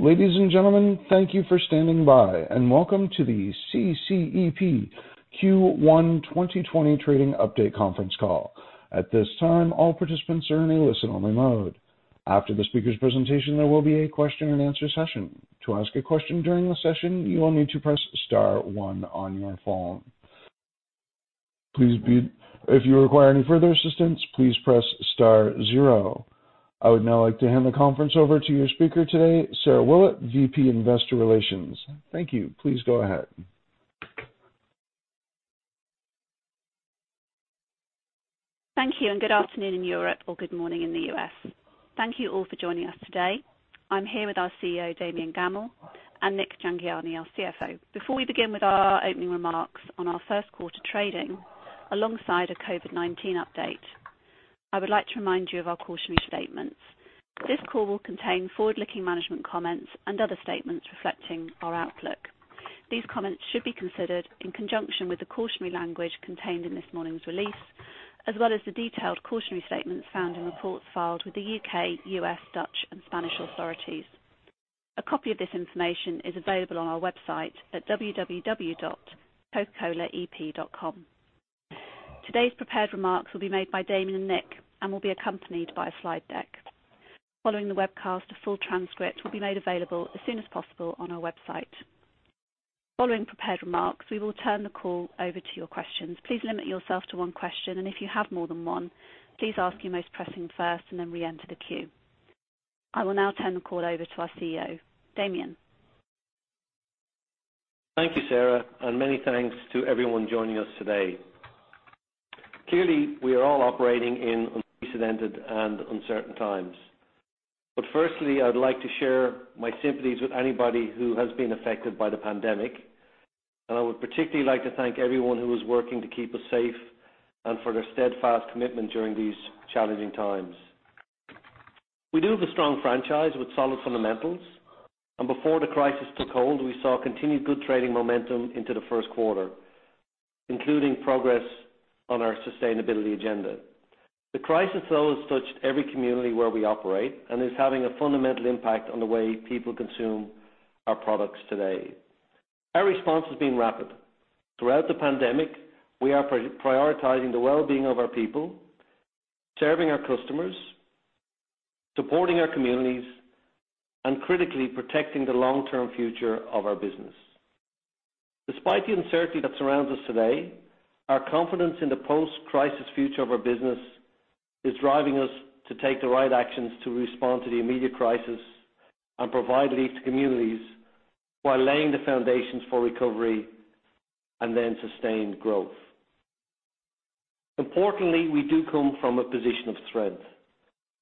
Ladies and gentlemen, thank you for standing by, and welcome to the CCEP Q1 2020 Trading Update Conference Call. At this time, all participants are in a listen-only mode. After the speaker's presentation, there will be a question and answer session. To ask a question during the session, you will need to press star one on your phone. If you require any further assistance, please press star zero. I would now like to hand the conference over to your speaker today, Sarah Willett, VP Investor Relations. Thank you. Please go ahead. Thank you, and good afternoon in Europe or good morning in the US. Thank you all for joining us today. I'm here with our CEO, Damian Gammell, and Nik Jhangiani, our CFO. Before we begin with our opening remarks on our first quarter trading alongside a COVID-19 update, I would like to remind you of our cautionary statements. This call will contain forward-looking management comments and other statements reflecting our outlook. These comments should be considered in conjunction with the cautionary language contained in this morning's release, as well as the detailed cautionary statements found in reports filed with the UK, US, Dutch, and Spanish authorities. A copy of this information is available on our website at www.cocacolaep.com. Today's prepared remarks will be made by Damian and Nik and will be accompanied by a slide deck. Following the webcast, a full transcript will be made available as soon as possible on our website. Following prepared remarks, we will turn the call over to your questions. Please limit yourself to one question, and if you have more than one, please ask your most pressing first and then reenter the queue. I will now turn the call over to our CEO, Damian. Thank you, Sarah, and many thanks to everyone joining us today. Clearly, we are all operating in unprecedented and uncertain times. But firstly, I would like to share my sympathies with anybody who has been affected by the pandemic, and I would particularly like to thank everyone who is working to keep us safe and for their steadfast commitment during these challenging times. We do have a strong franchise with solid fundamentals, and before the crisis took hold, we saw continued good trading momentum into the first quarter, including progress on our sustainability agenda. The crisis, though, has touched every community where we operate and is having a fundamental impact on the way people consume our products today. Our response has been rapid. Throughout the pandemic, we are prioritizing the well-being of our people, serving our customers, supporting our communities, and critically protecting the long-term future of our business. Despite the uncertainty that surrounds us today, our confidence in the post-crisis future of our business is driving us to take the right actions to respond to the immediate crisis and provide relief to communities while laying the foundations for recovery and then sustained growth. Importantly, we do come from a position of strength,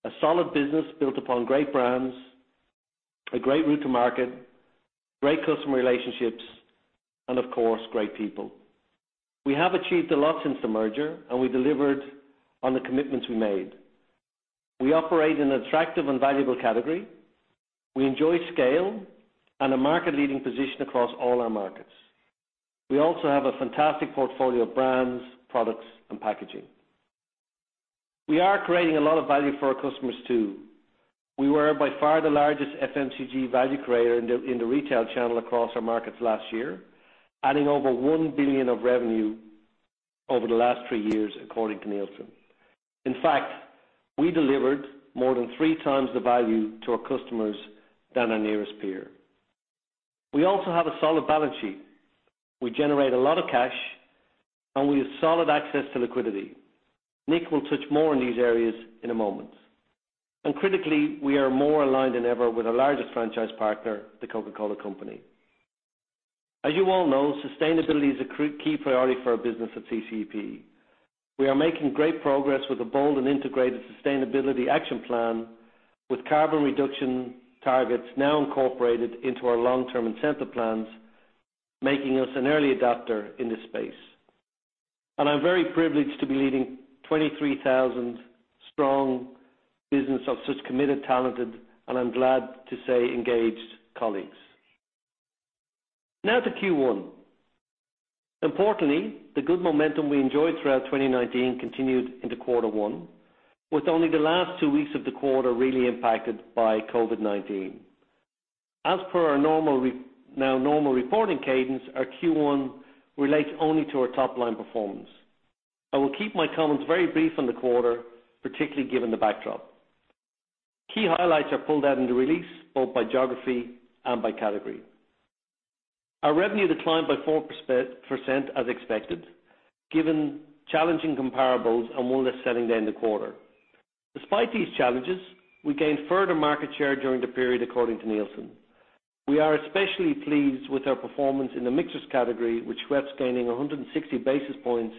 a solid business built upon great brands, a great route to market, great customer relationships, and of course, great people. We have achieved a lot since the merger, and we delivered on the commitments we made. We operate in an attractive and valuable category. We enjoy scale and a market-leading position across all our markets. We also have a fantastic portfolio of brands, products, and packaging. We are creating a lot of value for our customers, too. We were by far the largest FMCG value creator in the retail channel across our markets last year, adding over one billion of revenue over the last three years, according to Nielsen. In fact, we delivered more than three times the value to our customers than our nearest peer. We also have a solid balance sheet. We generate a lot of cash, and we have solid access to liquidity. Nik will touch more on these areas in a moment. Critically, we are more aligned than ever with our largest franchise partner, The Coca-Cola Company. As you all know, sustainability is a key priority for our business at CCEP. We are making great progress with a bold and integrated sustainability action plan, with carbon reduction targets now incorporated into our long-term incentive plans, making us an early adopter in this space. I'm very privileged to be leading a 23,000-strong business of such committed, talented, and I'm glad to say, engaged colleagues. Now to Q1. Importantly, the good momentum we enjoyed throughout 2019 continued into quarter one, with only the last two weeks of the quarter really impacted by COVID-19. As per our now normal reporting cadence, our Q1 relates only to our top-line performance. I will keep my comments very brief on the quarter, particularly given the backdrop. Key highlights are pulled out in the release, both by geography and by category. Our revenue declined by 4%, as expected, given challenging comparables and one less selling day in the quarter. Despite these challenges, we gained further market share during the period, according to Nielsen. We are especially pleased with our performance in the mixers category, which went to gaining a hundred and sixty basis points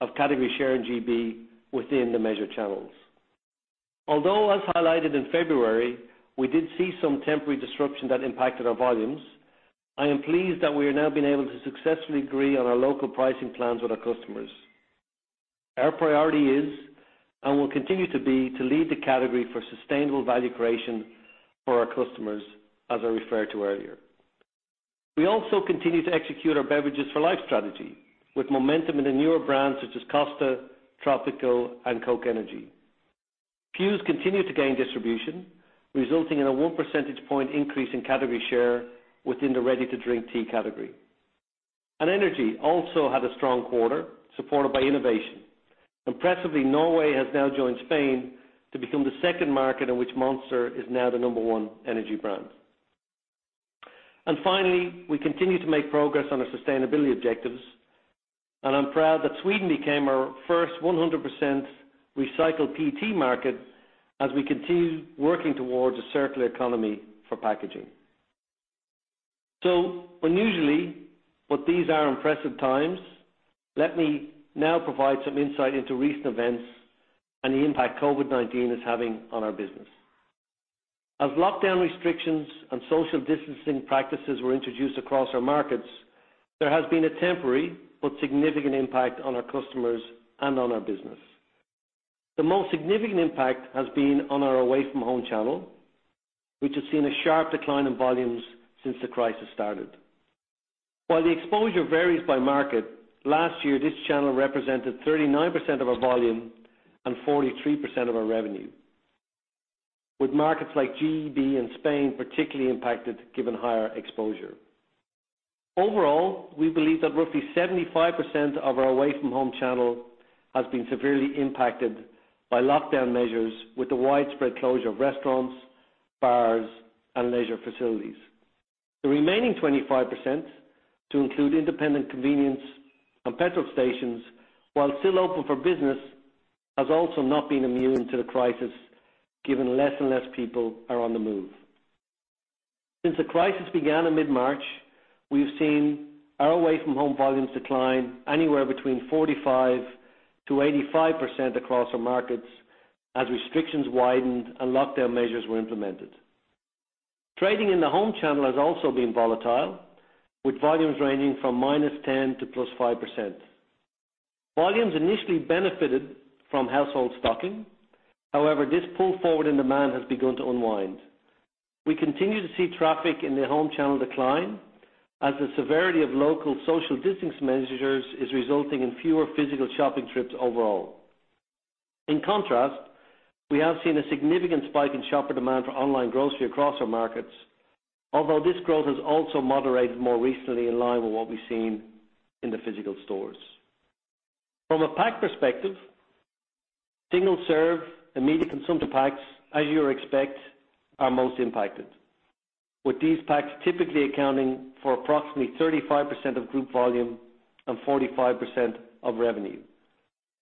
of category share in GB within the measured channels. Although, as highlighted in February, we did see some temporary disruption that impacted our volumes, I am pleased that we are now being able to successfully agree on our local pricing plans with our customers. Our priority is, and will continue to be, to lead the category for sustainable value creation for our customers, as I referred to earlier. We also continue to execute our Beverages for Life strategy, with momentum in the newer brands such as Costa, Tropico and Coke Energy. Fuze continued to gain distribution, resulting in a one percentage point increase in category share within the ready-to-drink tea category, and energy also had a strong quarter, supported by innovation. Impressively, Norway has now joined Spain to become the second market in which Monster is now the number one energy brand, and finally, we continue to make progress on our sustainability objectives, and I'm proud that Sweden became our first 100% recycled PET market as we continue working towards a circular economy for packaging, so unusually, but these are impressive times, let me now provide some insight into recent events and the impact COVID-19 is having on our business. As lockdown restrictions and social distancing practices were introduced across our markets, there has been a temporary but significant impact on our customers and on our business. The most significant impact has been on our away-from-home channel, which has seen a sharp decline in volumes since the crisis started. While the exposure varies by market, last year, this channel represented 39% of our volume and 43% of our revenue, with markets like GB and Spain particularly impacted, given higher exposure. Overall, we believe that roughly 75% of our away-from-home channel has been severely impacted by lockdown measures with the widespread closure of restaurants, bars, and leisure facilities. The remaining 25%, to include independent convenience and petrol stations, while still open for business, has also not been immune to the crisis, given less and less people are on the move. Since the crisis began in mid-March, we've seen our away-from-home volumes decline anywhere between 45%-85% across our markets as restrictions widened and lockdown measures were implemented. Trading in the home channel has also been volatile, with volumes ranging from -10% to +5%. Volumes initially benefited from household stocking. However, this pull forward in demand has begun to unwind. We continue to see traffic in the home channel decline, as the severity of local social distancing measures is resulting in fewer physical shopping trips overall. In contrast, we have seen a significant spike in shopper demand for online grocery across our markets, although this growth has also moderated more recently in line with what we've seen in the physical stores. From a pack perspective, single-serve immediate consumption packs, as you expect, are most impacted, with these packs typically accounting for approximately 35% of group volume and 45% of revenue,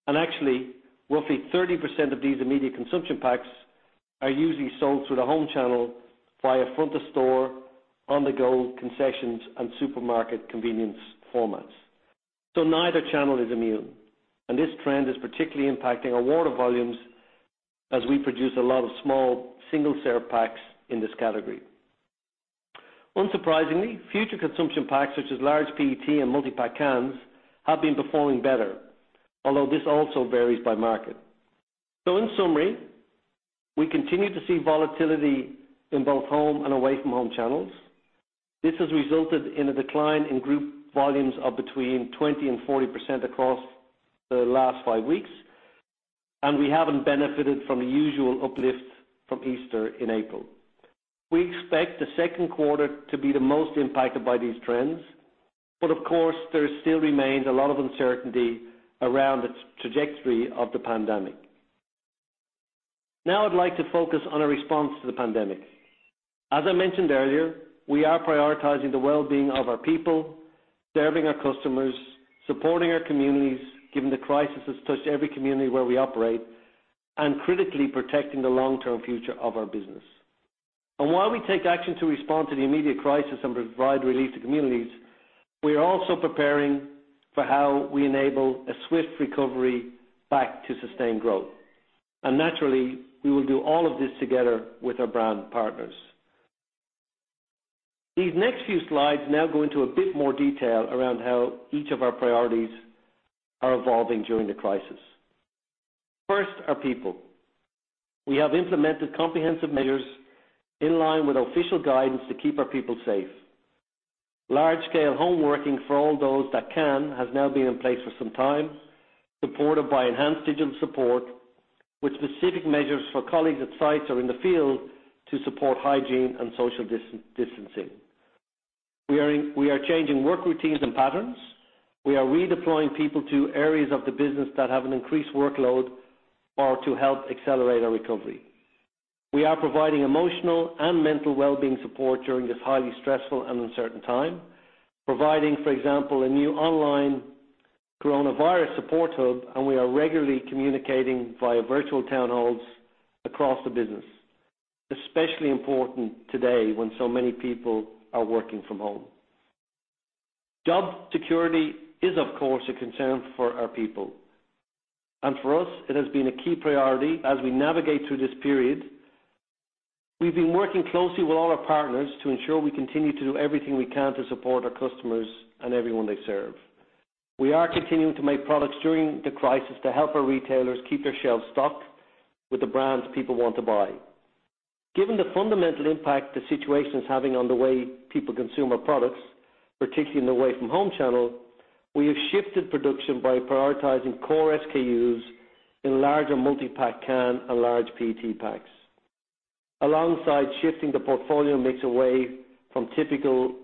and actually, roughly 30% of these immediate consumption packs are usually sold through the home channel via front of store, on-the-go concessions, and supermarket convenience formats. So neither channel is immune, and this trend is particularly impacting our water volumes as we produce a lot of small, single-serve packs in this category. Unsurprisingly, future consumption packs, such as large PET and multipack cans, have been performing better, although this also varies by market. So in summary, we continue to see volatility in both home and away-from-home channels. This has resulted in a decline in group volumes of between 20% and 40% across the last five weeks, and we haven't benefited from the usual uplift from Easter in April. We expect the second quarter to be the most impacted by these trends, but of course, there still remains a lot of uncertainty around the trajectory of the pandemic. Now I'd like to focus on our response to the pandemic. As I mentioned earlier, we are prioritizing the well-being of our people, serving our customers, supporting our communities, given the crisis has touched every community where we operate, and critically protecting the long-term future of our business. And while we take action to respond to the immediate crisis and provide relief to communities, we are also preparing for how we enable a swift recovery back to sustained growth. And naturally, we will do all of this together with our brand partners. These next few slides now go into a bit more detail around how each of our priorities are evolving during the crisis. First, our people. We have implemented comprehensive measures in line with official guidance to keep our people safe. Large-scale homeworking for all those that can has now been in place for some time, supported by enhanced digital support, with specific measures for colleagues at sites or in the field to support hygiene and social distancing. We are changing work routines and patterns. We are redeploying people to areas of the business that have an increased workload or to help accelerate our recovery. We are providing emotional and mental well-being support during this highly stressful and uncertain time, providing, for example, a new online coronavirus support hub, and we are regularly communicating via virtual town halls across the business, especially important today when so many people are working from home. Job security is, of course, a concern for our people, and for us, it has been a key priority as we navigate through this period. We've been working closely with all our partners to ensure we continue to do everything we can to support our customers and everyone they serve. We are continuing to make products during the crisis to help our retailers keep their shelves stocked with the brands people want to buy. Given the fundamental impact the situation is having on the way people consume our products, particularly in the away-from-home channel, we have shifted production by prioritizing core SKUs in larger multi-pack can and large PET packs. Alongside shifting the portfolio mix away from typical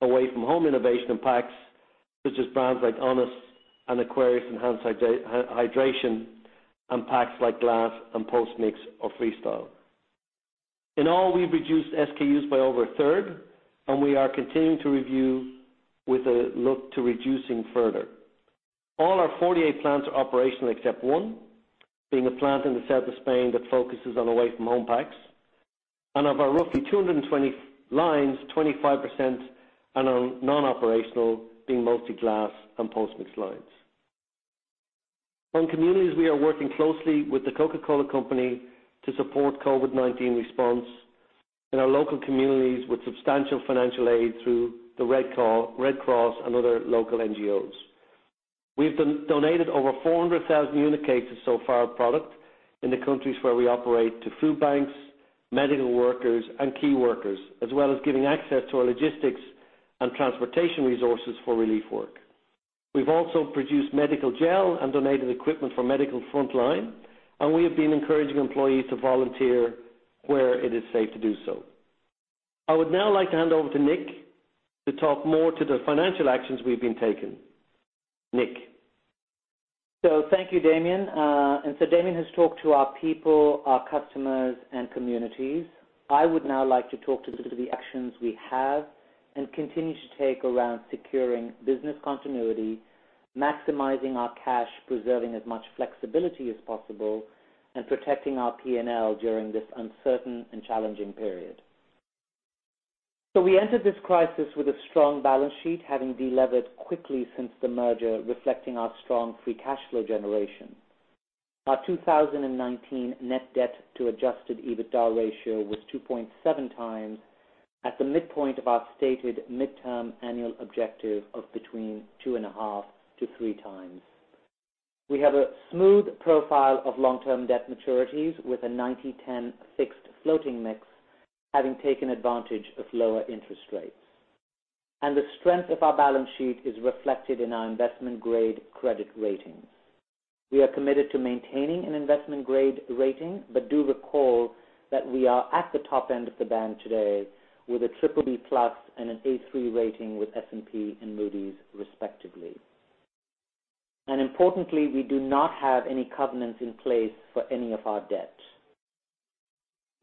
away-from-home innovation and packs, such as brands like Honest and Aquarius Enhanced Hydration, and packs like glass and post-mix or Freestyle. In all, we've reduced SKUs by over a third, and we are continuing to review with a look to reducing further. All our 48 plants are operational, except one, being a plant in the south of Spain that focuses on away-from-home packs. Of our roughly 220 lines, 25% are non-operational, being mostly glass and post-mix lines. On communities, we are working closely with The Coca-Cola Company to support COVID-19 response in our local communities with substantial financial aid through the Red Cross and other local NGOs. We've donated over 400,000 unit cases so far of product in the countries where we operate, to food banks, medical workers, and key workers, as well as giving access to our logistics and transportation resources for relief work. We've also produced medical gel and donated equipment for medical frontline, and we have been encouraging employees to volunteer where it is safe to do so. I would now like to hand over to Nik to talk more to the financial actions we've been taking. Nik? Thank you, Damian. Damian has talked to our people, our customers, and communities. I would now like to talk to some of the actions we have and continue to take around securing business continuity, maximizing our cash, preserving as much flexibility as possible, and protecting our P&L during this uncertain and challenging period. We entered this crisis with a strong balance sheet, having delevered quickly since the merger, reflecting our strong free cash flow generation. Our 2019 net debt to adjusted EBITDA ratio was 2.7 times, at the midpoint of our stated midterm annual objective of between 2.5 to 3 times. We have a smooth profile of long-term debt maturities with a 90/10 fixed floating mix, having taken advantage of lower interest rates. The strength of our balance sheet is reflected in our investment-grade credit ratings. We are committed to maintaining an investment-grade rating, but do recall that we are at the top end of the band today with a BBB+ and an A3 rating with S&P and Moody's, respectively. And importantly, we do not have any covenants in place for any of our debt.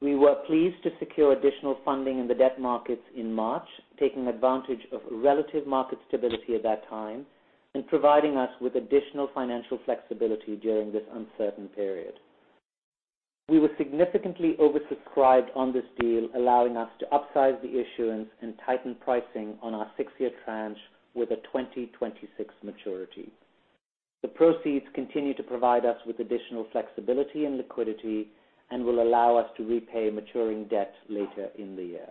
We were pleased to secure additional funding in the debt markets in March, taking advantage of relative market stability at that time and providing us with additional financial flexibility during this uncertain period. We were significantly oversubscribed on this deal, allowing us to upsize the issuance and tighten pricing on our six-year tranche with a 2026 maturity. The proceeds continue to provide us with additional flexibility and liquidity and will allow us to repay maturing debt later in the year.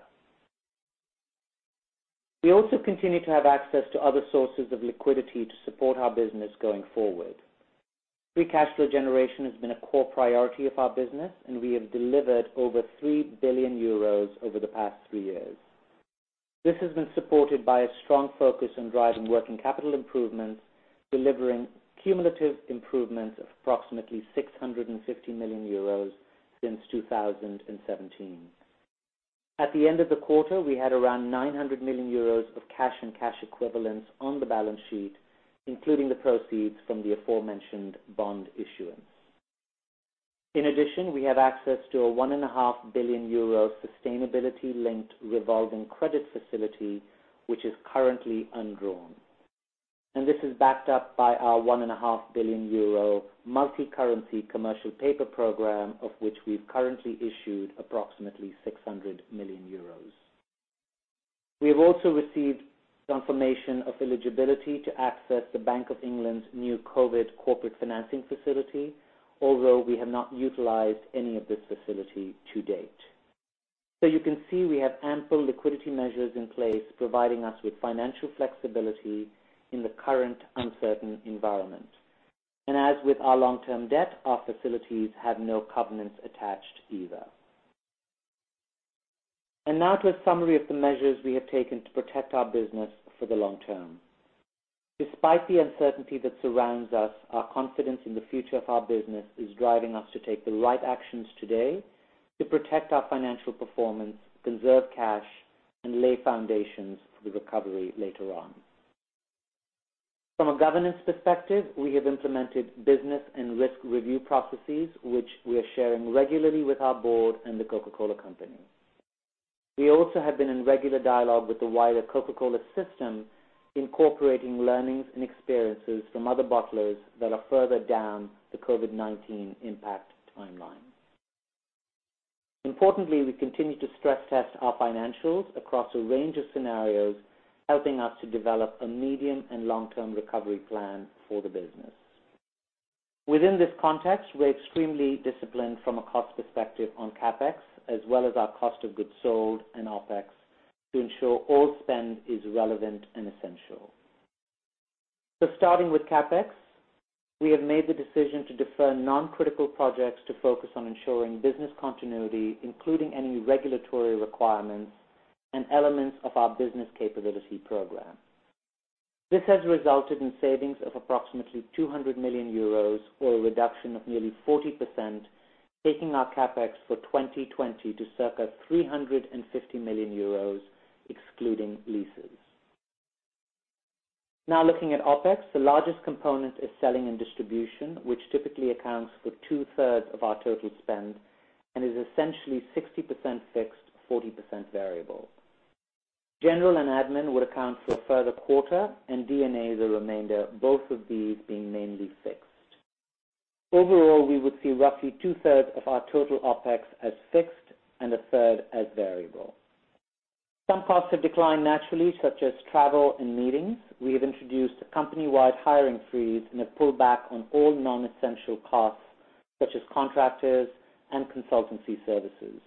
We also continue to have access to other sources of liquidity to support our business going forward. Free cash flow generation has been a core priority of our business, and we have delivered over 3 billion euros over the past three years. This has been supported by a strong focus on driving working capital improvements, delivering cumulative improvements of approximately 650 million euros since 2017. At the end of the quarter, we had around 900 million euros of cash and cash equivalents on the balance sheet, including the proceeds from the aforementioned bond issuance. In addition, we have access to a 1.5 billion euro sustainability-linked revolving credit facility, which is currently undrawn, and this is backed up by our 1.5 billion euro multicurrency commercial paper program, of which we've currently issued approximately 600 million euros. We have also received confirmation of eligibility to access the Bank of England's new COVID Corporate Financing Facility, although we have not utilized any of this facility to date. So you can see, we have ample liquidity measures in place, providing us with financial flexibility in the current uncertain environment. And as with our long-term debt, our facilities have no covenants attached either. And now to a summary of the measures we have taken to protect our business for the long term. Despite the uncertainty that surrounds us, our confidence in the future of our business is driving us to take the right actions today to protect our financial performance, conserve cash, and lay foundations for the recovery later on. From a governance perspective, we have implemented business and risk review processes, which we are sharing regularly with our board and The Coca-Cola Company. We also have been in regular dialogue with the wider Coca-Cola system, incorporating learnings and experiences from other bottlers that are further down the COVID-19 impact timeline. Importantly, we continue to stress test our financials across a range of scenarios, helping us to develop a medium and long-term recovery plan for the business. Within this context, we're extremely disciplined from a cost perspective on CapEx, as well as our cost of goods sold and OpEx, to ensure all spend is relevant and essential. So starting with CapEx, we have made the decision to defer non-critical projects to focus on ensuring business continuity, including any regulatory requirements and elements of our Business Capability Program. This has resulted in savings of approximately 200 million euros, or a reduction of nearly 40%, taking our CapEx for 2020 to circa 350 million euros, excluding leases. Now looking at OpEx, the largest component is selling and distribution, which typically accounts for two-thirds of our total spend and is essentially 60% fixed, 40% variable. General and admin would account for a further quarter, and D&A, the remainder, both of these being mainly fixed. Overall, we would see roughly two-thirds of our total OpEx as fixed and a third as variable. Some costs have declined naturally, such as travel and meetings. We have introduced a company-wide hiring freeze and have pulled back on all non-essential costs, such as contractors and consultancy services.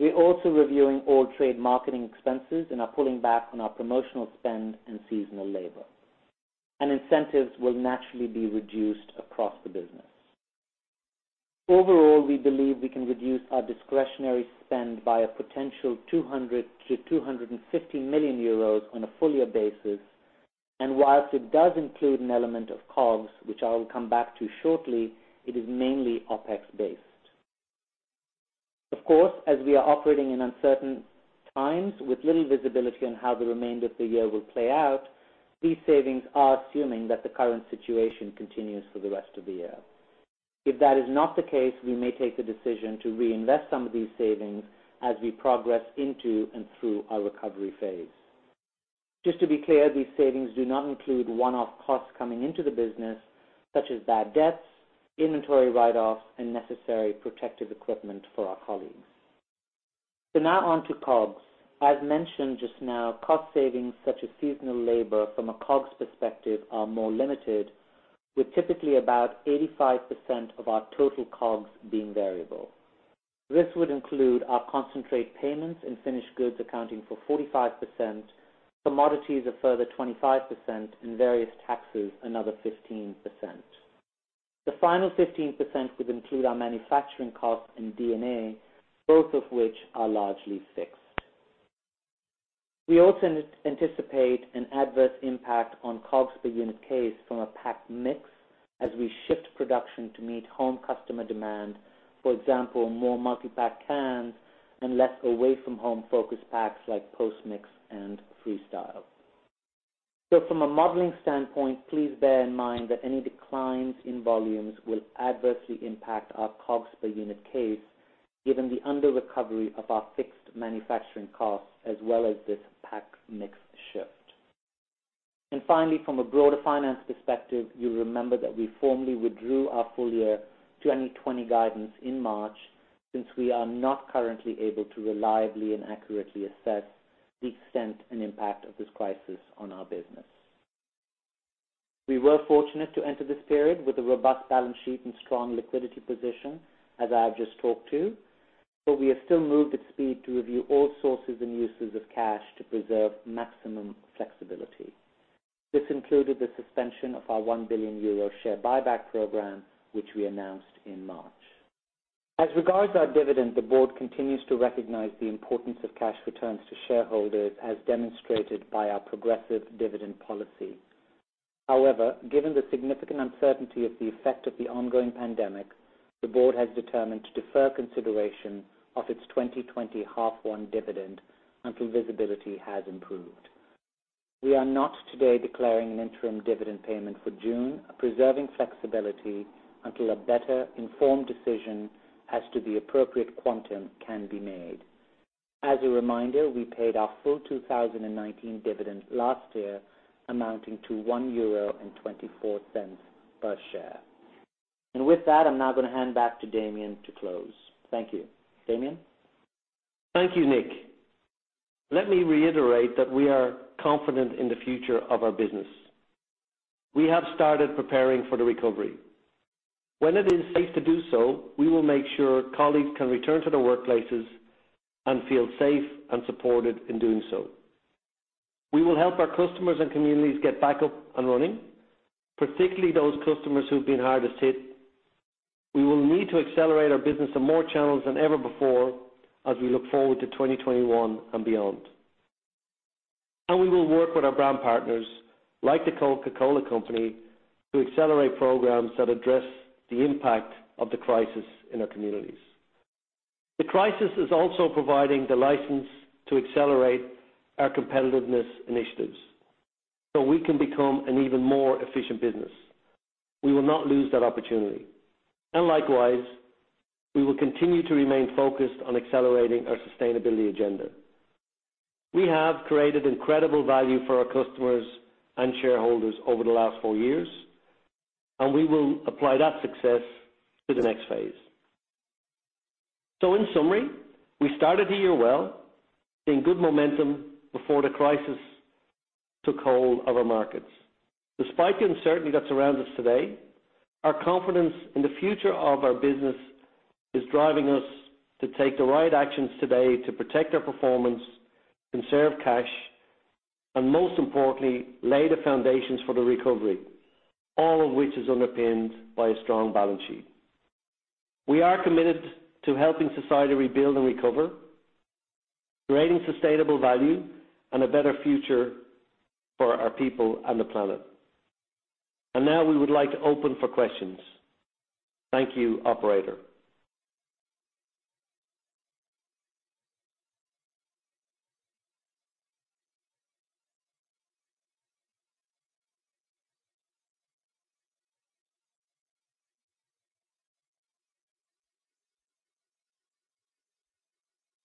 We are also reviewing all trade marketing expenses and are pulling back on our promotional spend and seasonal labor. And incentives will naturally be reduced across the business. Overall, we believe we can reduce our discretionary spend by a potential 200 million-250 million euros on a full year basis, and while it does include an element of COGS, which I will come back to shortly, it is mainly OpEx-based. Of course, as we are operating in uncertain times with little visibility on how the remainder of the year will play out, these savings are assuming that the current situation continues for the rest of the year. If that is not the case, we may take the decision to reinvest some of these savings as we progress into and through our recovery phase. Just to be clear, these savings do not include one-off costs coming into the business, such as bad debts, inventory write-offs, and necessary protective equipment for our colleagues. So now on to COGS. As mentioned just now, cost savings, such as seasonal labor from a COGS perspective, are more limited, with typically about 85% of our total COGS being variable. This would include our concentrate payments and finished goods accounting for 45%, commodities a further 25%, and various taxes another 15%. The final 15% would include our manufacturing costs and D&A, both of which are largely fixed. We also anticipate an adverse impact on COGS per unit case from a pack mix as we shift production to meet home customer demand. For example, more multipack cans and less away-from-home focused packs like post-mix and Freestyle. So from a modeling standpoint, please bear in mind that any declines in volumes will adversely impact our COGS per unit case, given the underrecovery of our fixed manufacturing costs, as well as this pack mix shift. Finally, from a broader finance perspective, you'll remember that we formally withdrew our full year 2020 guidance in March, since we are not currently able to reliably and accurately assess the extent and impact of this crisis on our business. We were fortunate to enter this period with a robust balance sheet and strong liquidity position, as I have just talked to, but we have still moved at speed to review all sources and uses of cash to preserve maximum flexibility. This included the suspension of our 1 billion euro share buyback program, which we announced in March. As regards our dividend, the board continues to recognize the importance of cash returns to shareholders, as demonstrated by our progressive dividend policy. However, given the significant uncertainty of the effect of the ongoing pandemic, the board has determined to defer consideration of its twenty twenty half one dividend until visibility has improved. We are not today declaring an interim dividend payment for June, preserving flexibility until a better informed decision as to the appropriate quantum can be made. As a reminder, we paid our full two thousand and nineteen dividend last year, amounting to 1.24 euro per share. And with that, I'm now going to hand back to Damian to close. Thank you. Damian? Thank you, Nick. Let me reiterate that we are confident in the future of our business. We have started preparing for the recovery. When it is safe to do so, we will make sure colleagues can return to their workplaces and feel safe and supported in doing so. We will help our customers and communities get back up and running, particularly those customers who've been hardest hit. We will need to accelerate our business to more channels than ever before as we look forward to 2021 and beyond, and we will work with our brand partners, like The Coca-Cola Company, to accelerate programs that address the impact of the crisis in our communities. The crisis is also providing the license to accelerate our competitiveness initiatives, so we can become an even more efficient business. We will not lose that opportunity. Likewise, we will continue to remain focused on accelerating our sustainability agenda. We have created incredible value for our customers and shareholders over the last four years, and we will apply that success to the next phase.... So in summary, we started the year well, in good momentum before the crisis took hold of our markets. Despite the uncertainty that surrounds us today, our confidence in the future of our business is driving us to take the right actions today to protect our performance, conserve cash, and most importantly, lay the foundations for the recovery, all of which is underpinned by a strong balance sheet. We are committed to helping society rebuild and recover, creating sustainable value and a better future for our people and the planet. And now we would like to open for questions. Thank you, operator.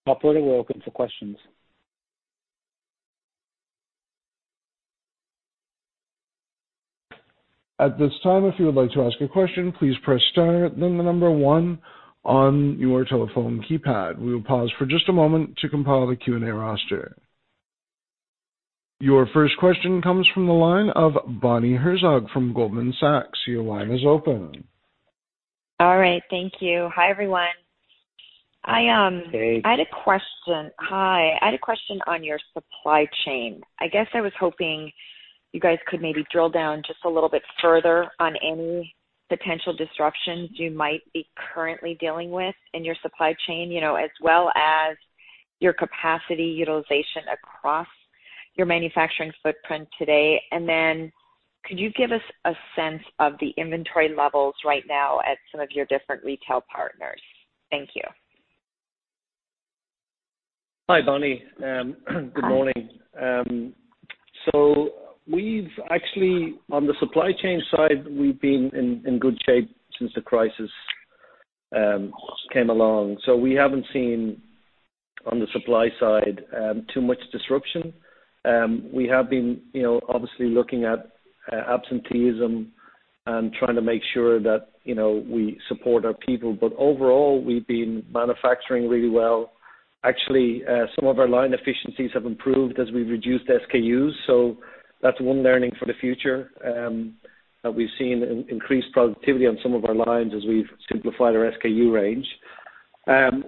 Operator, we're open for questions. At this time, if you would like to ask a question, please press star, then the number one on your telephone keypad. We will pause for just a moment to compile the Q&A roster. Your first question comes from the line of Bonnie Herzog from Goldman Sachs. Your line is open. All right, thank you. Hi, everyone. Hey. I had a question. Hi, I had a question on your supply chain. I guess I was hoping you guys could maybe drill down just a little bit further on any potential disruptions you might be currently dealing with in your supply chain, you know, as well as your capacity utilization across your manufacturing footprint today, and then could you give us a sense of the inventory levels right now at some of your different retail partners? Thank you. Hi, Bonnie. Good morning. Hi. So we've actually, on the supply chain side, we've been in good shape since the crisis came along. So we haven't seen, on the supply side, too much disruption. We have been, you know, obviously looking at absenteeism and trying to make sure that, you know, we support our people. But overall, we've been manufacturing really well. Actually, some of our line efficiencies have improved as we've reduced SKUs, so that's one learning for the future, that we've seen in increased productivity on some of our lines as we've simplified our SKU range.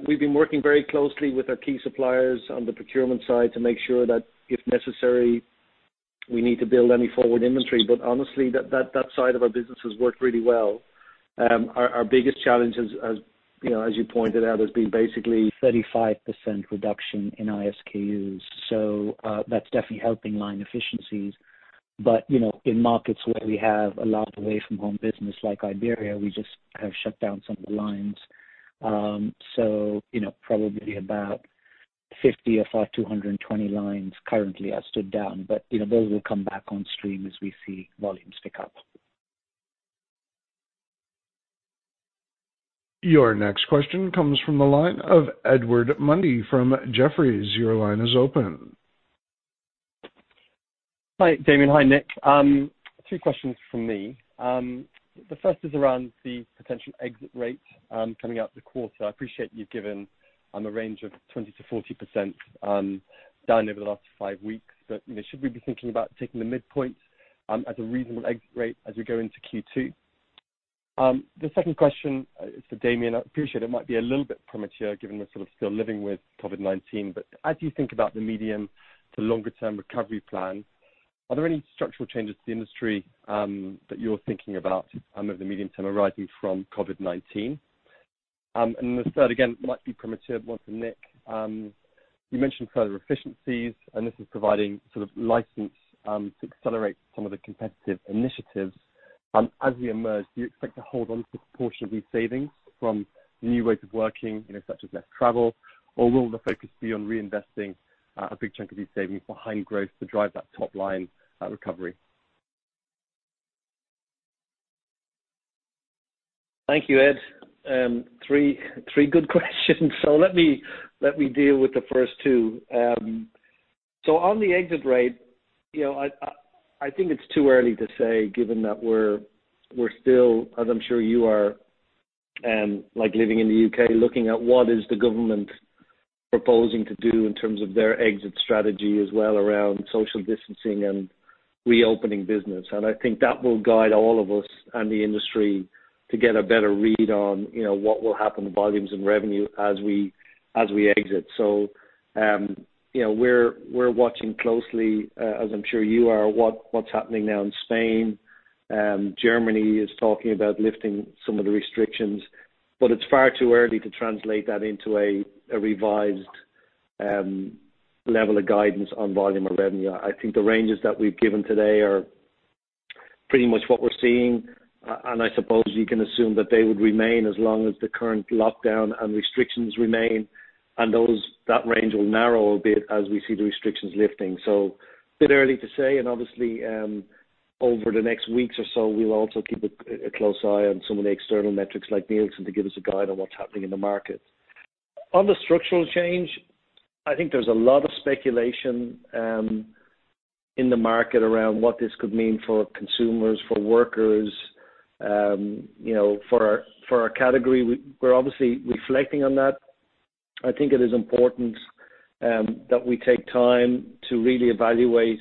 We've been working very closely with our key suppliers on the procurement side to make sure that, if necessary, we need to build any forward inventory. But honestly, that side of our business has worked really well. Our biggest challenge is, as you know, as you pointed out, has been basically- 35% reduction in our SKUs, so, that's definitely helping line efficiencies. But, you know, in markets where we have a lot of away-from-home business like Iberia, we just have shut down some of the lines. So, you know, probably about 50 of our 220 lines currently are stood down, but, you know, those will come back on stream as we see volumes pick up. Your next question comes from the line of Edward Mundy from Jefferies. Your line is open. Hi, Damian. Hi, Nik. Two questions from me. The first is around the potential exit rate, coming out the quarter. I appreciate you've given a range of 20%-40% down over the last five weeks, but, you know, should we be thinking about taking the midpoint as a reasonable exit rate as we go into Q2? The second question is for Damian. I appreciate it might be a little bit premature, given we're sort of still living with COVID-19, but as you think about the medium to longer term recovery plan, are there any structural changes to the industry that you're thinking about over the medium term arising from COVID-19? And the third, again, might be premature, one for Nik. You mentioned further efficiencies, and this is providing sort of license to accelerate some of the competitive initiatives. As we emerge, do you expect to hold on to a portion of these savings from new ways of working, you know, such as less travel, or will the focus be on reinvesting a big chunk of these savings for high growth to drive that top line recovery? Thank you, Ed. Three good questions. So let me deal with the first two. So on the exit rate, you know, I think it's too early to say, given that we're still, as I'm sure you are, like living in the U.K., looking at what is the government proposing to do in terms of their exit strategy, as well around social distancing and reopening business. And I think that will guide all of us and the industry to get a better read on, you know, what will happen to volumes and revenue as we exit. So, you know, we're watching closely, as I'm sure you are, what's happening now in Spain. Germany is talking about lifting some of the restrictions, but it's far too early to translate that into a revised level of guidance on volume and revenue. I think the ranges that we've given today are pretty much what we're seeing, and I suppose you can assume that they would remain as long as the current lockdown and restrictions remain, and that range will narrow a bit as we see the restrictions lifting. So bit early to say, and obviously, over the next weeks or so, we'll also keep a close eye on some of the external metrics like Nielsen to give us a guide on what's happening in the market. On the structural change, I think there's a lot of speculation in the market around what this could mean for consumers, for workers, you know, for our category. We're obviously reflecting on that. I think it is important that we take time to really evaluate,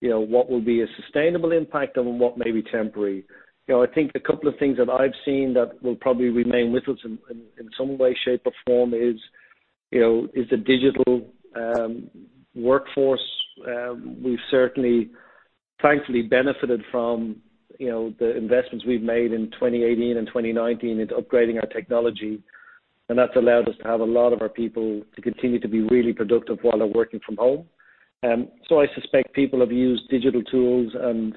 you know, what will be a sustainable impact and what may be temporary. You know, I think a couple of things that I've seen that will probably remain with us in some way, shape, or form is, you know, the digital workforce. We've certainly, thankfully, benefited from, you know, the investments we've made in 2018 and 2019 into upgrading our technology, and that's allowed us to have a lot of our people to continue to be really productive while they're working from home. So I suspect people have used digital tools and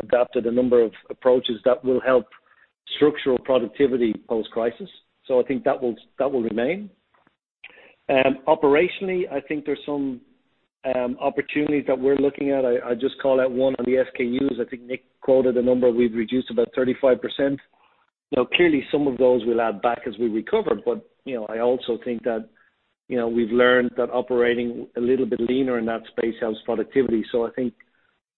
adapted a number of approaches that will help structural productivity post-crisis. So I think that will remain. And operationally, I think there's some opportunities that we're looking at. I just call out one on the SKUs. I think Nik quoted a number we've reduced about 35%. You know, clearly, some of those will add back as we recover, but, you know, I also think that, you know, we've learned that operating a little bit leaner in that space helps productivity. So I think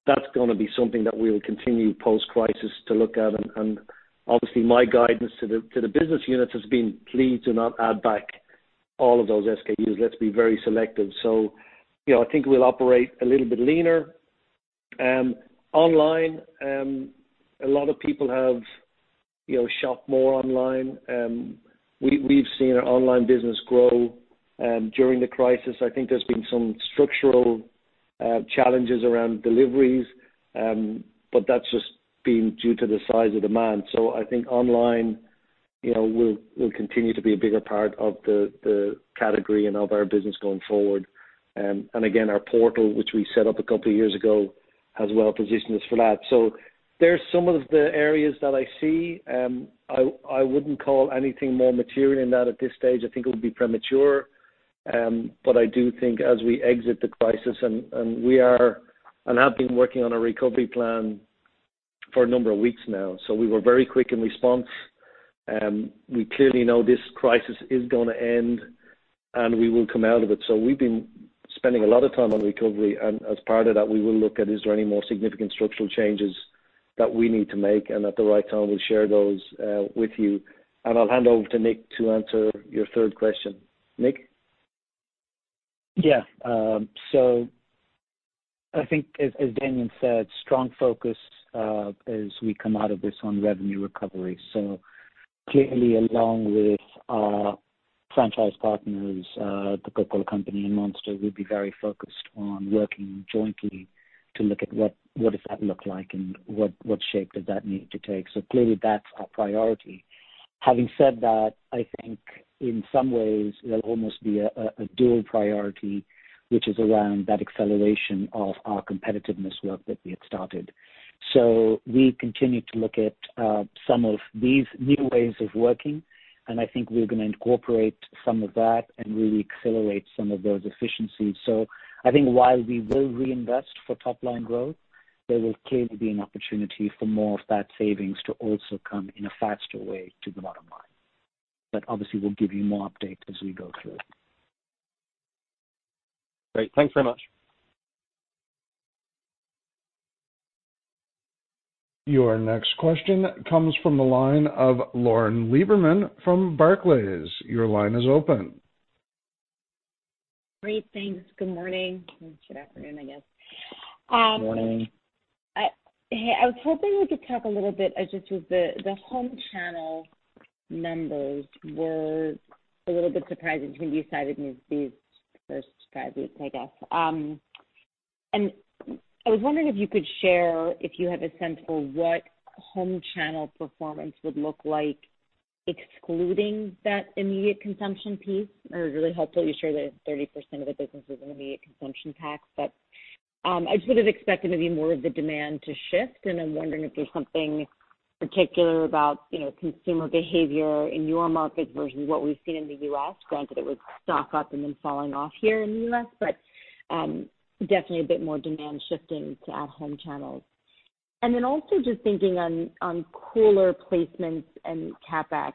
that's gonna be something that we will continue post-crisis to look at. And obviously, my guidance to the business units has been, please do not add back all of those SKUs. Let's be very selective. So, you know, I think we'll operate a little bit leaner. Online, a lot of people have, you know, shopped more online, we've seen our online business grow during the crisis. I think there's been some structural challenges around deliveries, but that's just been due to the size of demand, so I think online, you know, will continue to be a bigger part of the category and of our business going forward, and again, our portal, which we set up a couple of years ago, has well positioned us for that, so there's some of the areas that I see. I wouldn't call anything more material than that at this stage. I think it would be premature, but I do think as we exit the crisis, and we are and have been working on a recovery plan for a number of weeks now, so we were very quick in response, and we clearly know this crisis is gonna end, and we will come out of it. So we've been spending a lot of time on recovery, and as part of that, we will look at, is there any more significant structural changes that we need to make? And at the right time, we'll share those, with you. And I'll hand over to Nik to answer your third question. Nik? Yeah, so I think as Damian said, strong focus as we come out of this on revenue recovery. So clearly, along with our franchise partners, the Coca-Cola Company and Monster, we'll be very focused on working jointly to look at what does that look like and what shape does that need to take. So clearly, that's our priority. Having said that, I think in some ways, there'll almost be a dual priority, which is around that acceleration of our competitiveness work that we had started. So we continue to look at some of these new ways of working, and I think we're gonna incorporate some of that and really accelerate some of those efficiencies. So I think while we will reinvest for top-line growth, there will clearly be an opportunity for more of that savings to also come in a faster way to the bottom line. But obviously, we'll give you more update as we go through it. Great. Thanks very much. Your next question comes from the line of Lauren Lieberman from Barclays. Your line is open. Great, thanks. Good morning, or good afternoon, I guess. Morning. Hey, I was hoping we could talk a little bit just with the home channel numbers. They were a little bit surprising to me, despite these first five weeks, I guess. And I was wondering if you could share if you have a sense for what home channel performance would look like excluding that immediate consumption piece. It would really be helpful. You share that 30% of the business is immediate consumption pack, but I just would have expected to be more of the demand to shift, and I'm wondering if there's something particular about, you know, consumer behavior in your markets versus what we've seen in the U.S. Granted, it was stock up and then falling off here in the U.S., but definitely a bit more demand shifting to at-home channels. Then also just thinking on cooler placements and CapEx.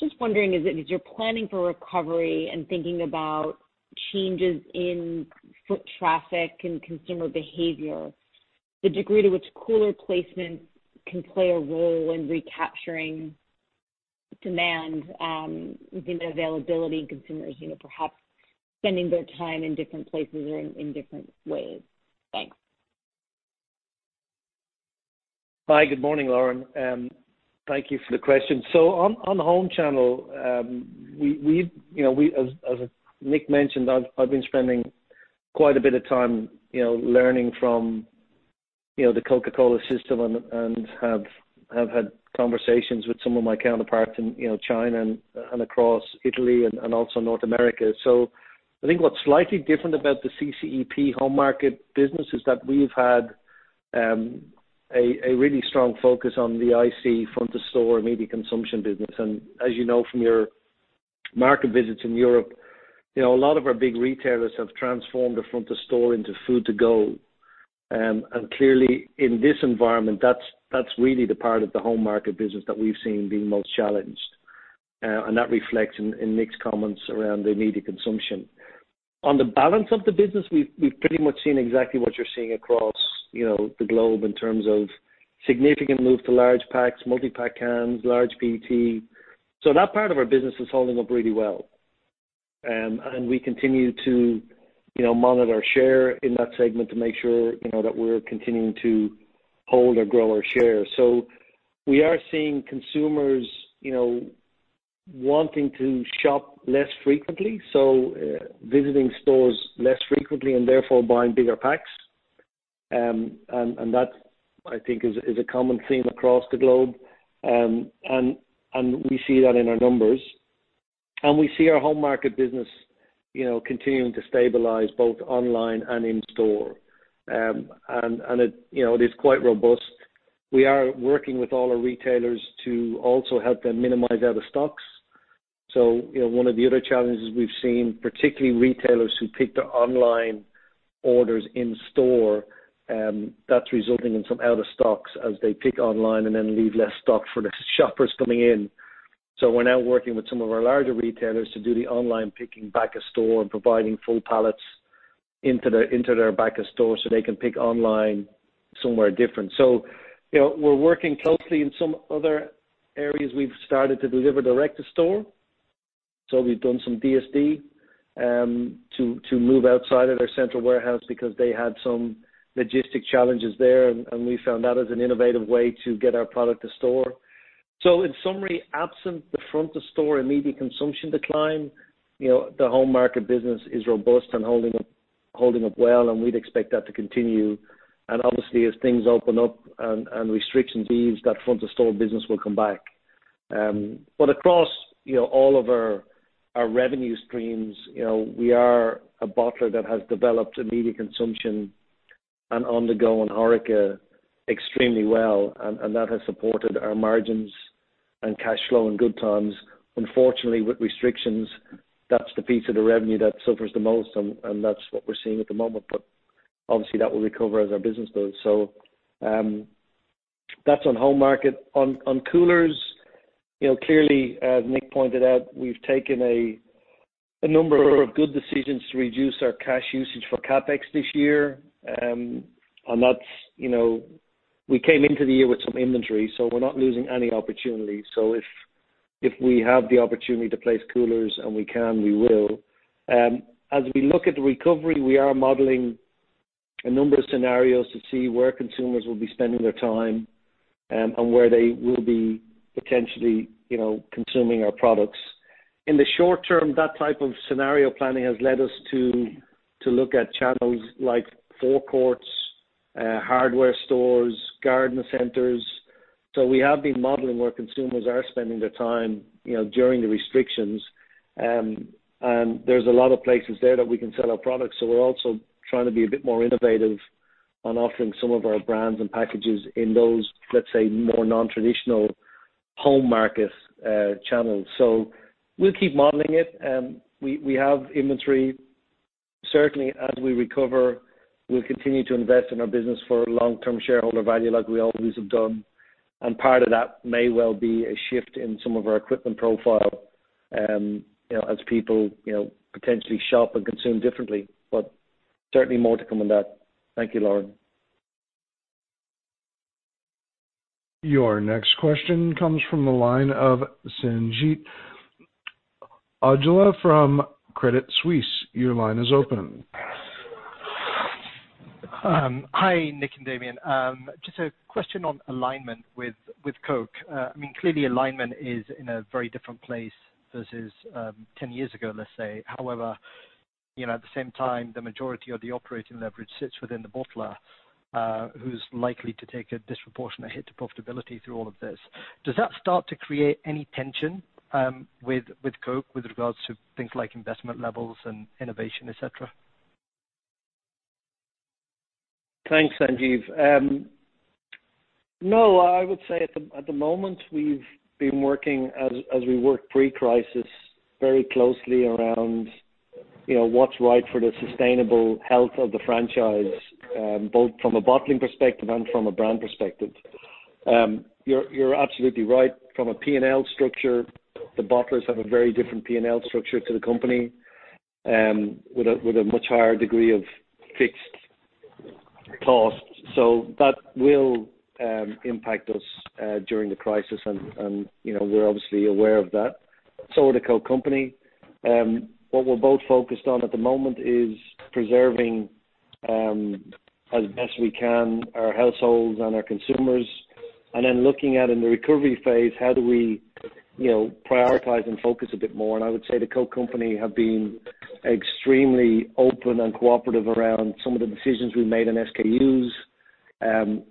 Just wondering, as you're planning for recovery and thinking about changes in foot traffic and consumer behavior, the degree to which cooler placements can play a role in recapturing demand, given the availability and consumers, you know, perhaps spending their time in different places or in different ways? Thanks. Hi, good morning, Lauren, thank you for the question. So on the home channel, we, you know, as Nik mentioned, I've been spending quite a bit of time, you know, learning from, you know, the Coca-Cola system and have had conversations with some of my counterparts in, you know, China and across Italy and also North America. So I think what's slightly different about the CCEP home market business is that we've had a really strong focus on the IC front-of-store immediate consumption business. And as you know from your market visits in Europe, you know, a lot of our big retailers have transformed the front of store into food to go. And clearly, in this environment, that's really the part of the home market business that we've seen being most challenged. and that reflects in Nik's comments around the immediate consumption. On the balance of the business, we've pretty much seen exactly what you're seeing across, you know, the globe in terms of significant move to large packs, multi-pack cans, large PET. So that part of our business is holding up really well, and we continue to, you know, monitor our share in that segment to make sure, you know, that we're continuing to hold or grow our share. So we are seeing consumers, you know, wanting to shop less frequently, so visiting stores less frequently and therefore, buying bigger packs, and that, I think, is a common theme across the globe, and we see that in our numbers, and we see our home market business, you know, continuing to stabilize, both online and in store. It is quite robust. We are working with all our retailers to also help them minimize out of stocks. So, you know, one of the other challenges we've seen, particularly retailers who pick their online orders in store, that's resulting in some out of stocks as they pick online and then leave less stock for the shoppers coming in. So we're now working with some of our larger retailers to do the online picking back of store and providing full pallets into their back of store, so they can pick online somewhere different. So, you know, we're working closely. In some other areas, we've started to deliver direct to store. So we've done some DSD to move outside of our central warehouse because they had some logistical challenges there, and we found that as an innovative way to get our product to store. So in summary, absent the front of store immediate consumption decline, you know, the home market business is robust and holding up, holding up well, and we'd expect that to continue. And obviously, as things open up and restrictions ease, that front of store business will come back. But across, you know, all of our revenue streams, you know, we are a bottler that has developed immediate consumption and on-the-go and HoReCa extremely well, and that has supported our margins and cash flow in good times. Unfortunately, with restrictions, that's the piece of the revenue that suffers the most, and that's what we're seeing at the moment. But obviously, that will recover as our business does. So, that's on home market. On coolers, you know, clearly, as Nik pointed out, we've taken a number of good decisions to reduce our cash usage for CapEx this year. And that's, you know. We came into the year with some inventory, so we're not losing any opportunity. So if we have the opportunity to place coolers, and we can, we will. As we look at the recovery, we are modeling a number of scenarios to see where consumers will be spending their time, and where they will be potentially, you know, consuming our products. In the short term, that type of scenario planning has led us to look at channels like forecourts, hardware stores, garden centers. So we have been modeling where consumers are spending their time, you know, during the restrictions, and there's a lot of places there that we can sell our products, so we're also trying to be a bit more innovative on offering some of our brands and packages in those, let's say, more non-traditional home market channels, so we'll keep modeling it. We have inventory. Certainly, as we recover, we'll continue to invest in our business for long-term shareholder value, like we always have done, and part of that may well be a shift in some of our equipment profile, you know, as people, you know, potentially shop and consume differently, but certainly more to come on that. Thank you, Lauren. Your next question comes from the line of Sanjeet Aujla from Credit Suisse. Your line is open. Hi, Nik and Damian. Just a question on alignment with, with Coke. I mean, clearly, alignment is in a very different place versus, ten years ago, let's say. However, you know, at the same time, the majority of the operating leverage sits within the bottler, who's likely to take a disproportionate hit to profitability through all of this. Does that start to create any tension, with, with Coke, with regards to things like investment levels and innovation, et cetera? Thanks, Sanjeet. No, I would say at the moment, we've been working as we worked pre-crisis, very closely around, you know, what's right for the sustainable health of the franchise, both from a bottling perspective and from a brand perspective. You're absolutely right. From a P&L structure, the bottlers have a very different P&L structure to the company, with a much higher degree of fixed costs. So that will impact us during the crisis, and, you know, we're obviously aware of that. So will the Coke Company. What we're both focused on at the moment is preserving, as best we can, our households and our consumers, and then looking at, in the recovery phase, how do we, you know, prioritize and focus a bit more? I would say the Coca-Cola Company have been extremely open and cooperative around some of the decisions we've made in SKUs,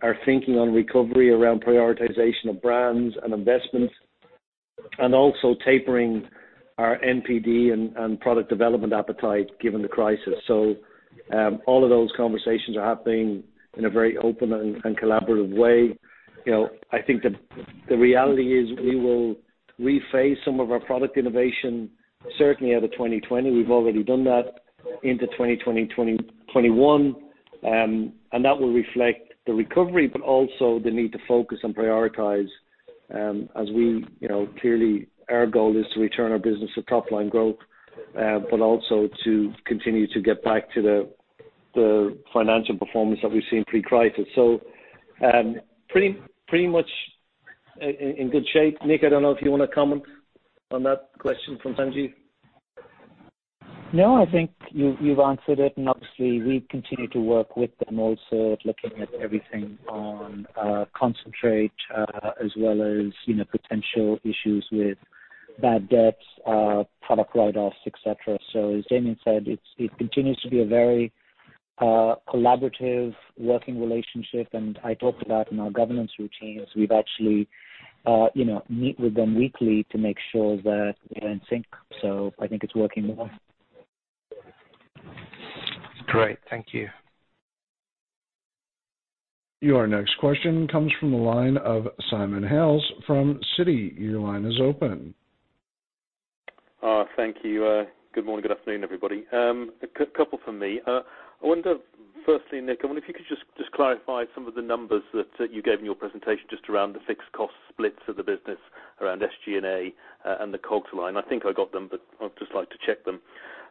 our thinking on recovery around prioritization of brands and investments, and also tapering our NPD and product development appetite, given the crisis. All of those conversations are happening in a very open and collaborative way. You know, I think the reality is, we will rephase some of our product innovation, certainly out of 2020. We've already done that into 2020, 2021. That will reflect the recovery, but also the need to focus and prioritize, as we, you know, clearly, our goal is to return our business to top-line growth, but also to continue to get back to the financial performance that we've seen pre-crisis. Pretty much in good shape. Nik, I don't know if you wanna comment on that question from Sanjeet? No, I think you've answered it, and obviously, we continue to work with them also, looking at everything on, concentrate, as well as, you know, potential issues with bad debts, product write-offs, et cetera. So as Damian said, it continues to be a very, collaborative working relationship, and I talked about in our governance routines, we've actually, you know, meet with them weekly to make sure that we're in sync. So I think it's working well. Great, thank you. Your next question comes from the line of Simon Hales from Citi. Your line is open. Thank you. Good morning, good afternoon, everybody. A couple from me. I wonder, firstly, Nik, I wonder if you could just clarify some of the numbers that you gave in your presentation just around the fixed cost splits of the business around SG&A and the COGS line. I think I got them, but I'd just like to check them.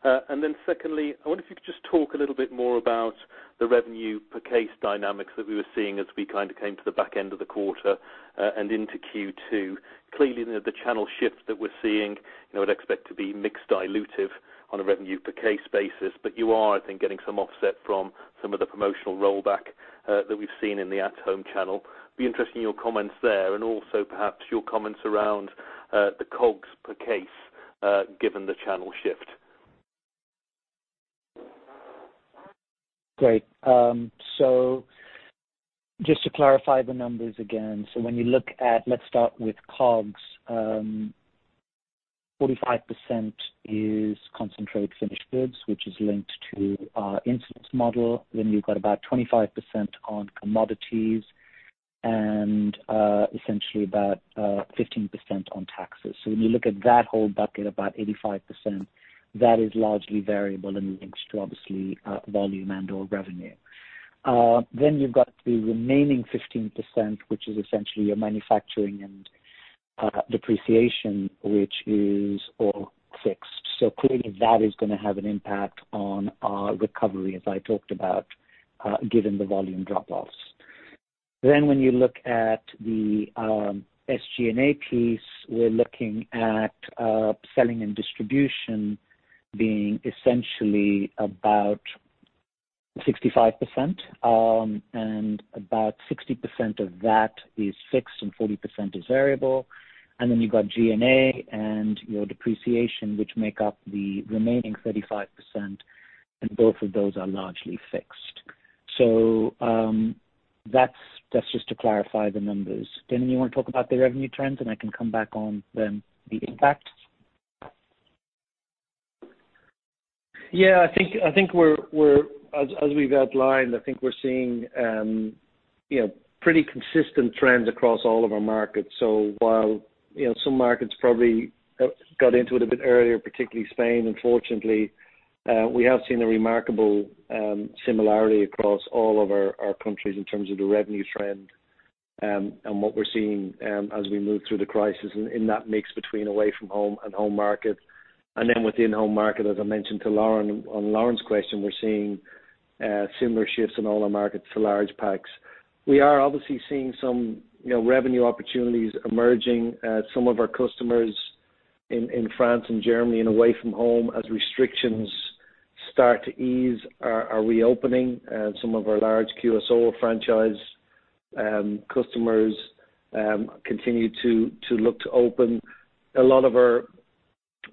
And then secondly, I wonder if you could just talk a little bit more about the revenue per case dynamics that we were seeing as we kind of came to the back end of the quarter and into Q2. Clearly, the channel shifts that we're seeing, you know, I'd expect to be mix dilutive on a revenue per case basis, but you are, I think, getting some offset from some of the promotional rollback that we've seen in the at-home channel. Be interested in your comments there, and also perhaps your comments around the COGS per case, given the channel shift. Great. So just to clarify the numbers again, so when you look at... Let's start with COGS. Forty-five percent is concentrate finished goods, which is linked to our incidence model, then you've got about 25% on commodities and essentially about 15% on taxes. So when you look at that whole bucket, about 85%, that is largely variable and linked to, obviously, volume and/or revenue. Then you've got the remaining 15%, which is essentially your manufacturing and depreciation, which is all fixed. So clearly, that is gonna have an impact on our recovery, as I talked about, given the volume drop-offs. Then when you look at the SG&A piece, we're looking at selling and distribution being essentially about 65%, and about 60% of that is fixed and 40% is variable. Then you've got G&A and your depreciation, which make up the remaining 35%, and both of those are largely fixed. So, that's just to clarify the numbers. Damian, you wanna talk about the revenue trends, and I can come back on then the impact? Yeah, I think we're. As we've outlined, I think we're seeing, you know, pretty consistent trends across all of our markets. So while, you know, some markets probably got into it a bit earlier, particularly Spain, unfortunately, we have seen a remarkable similarity across all of our countries in terms of the revenue trend, and what we're seeing, as we move through the crisis in that mix between away from home and home market, and then within home market, as I mentioned to Lauren on Lauren's question, we're seeing similar shifts in all our markets to large packs. We are obviously seeing some, you know, revenue opportunities emerging at some of our customers in France and Germany and away from home, as restrictions start to ease, are reopening. Some of our large QSR franchise customers continue to look to open. A lot of our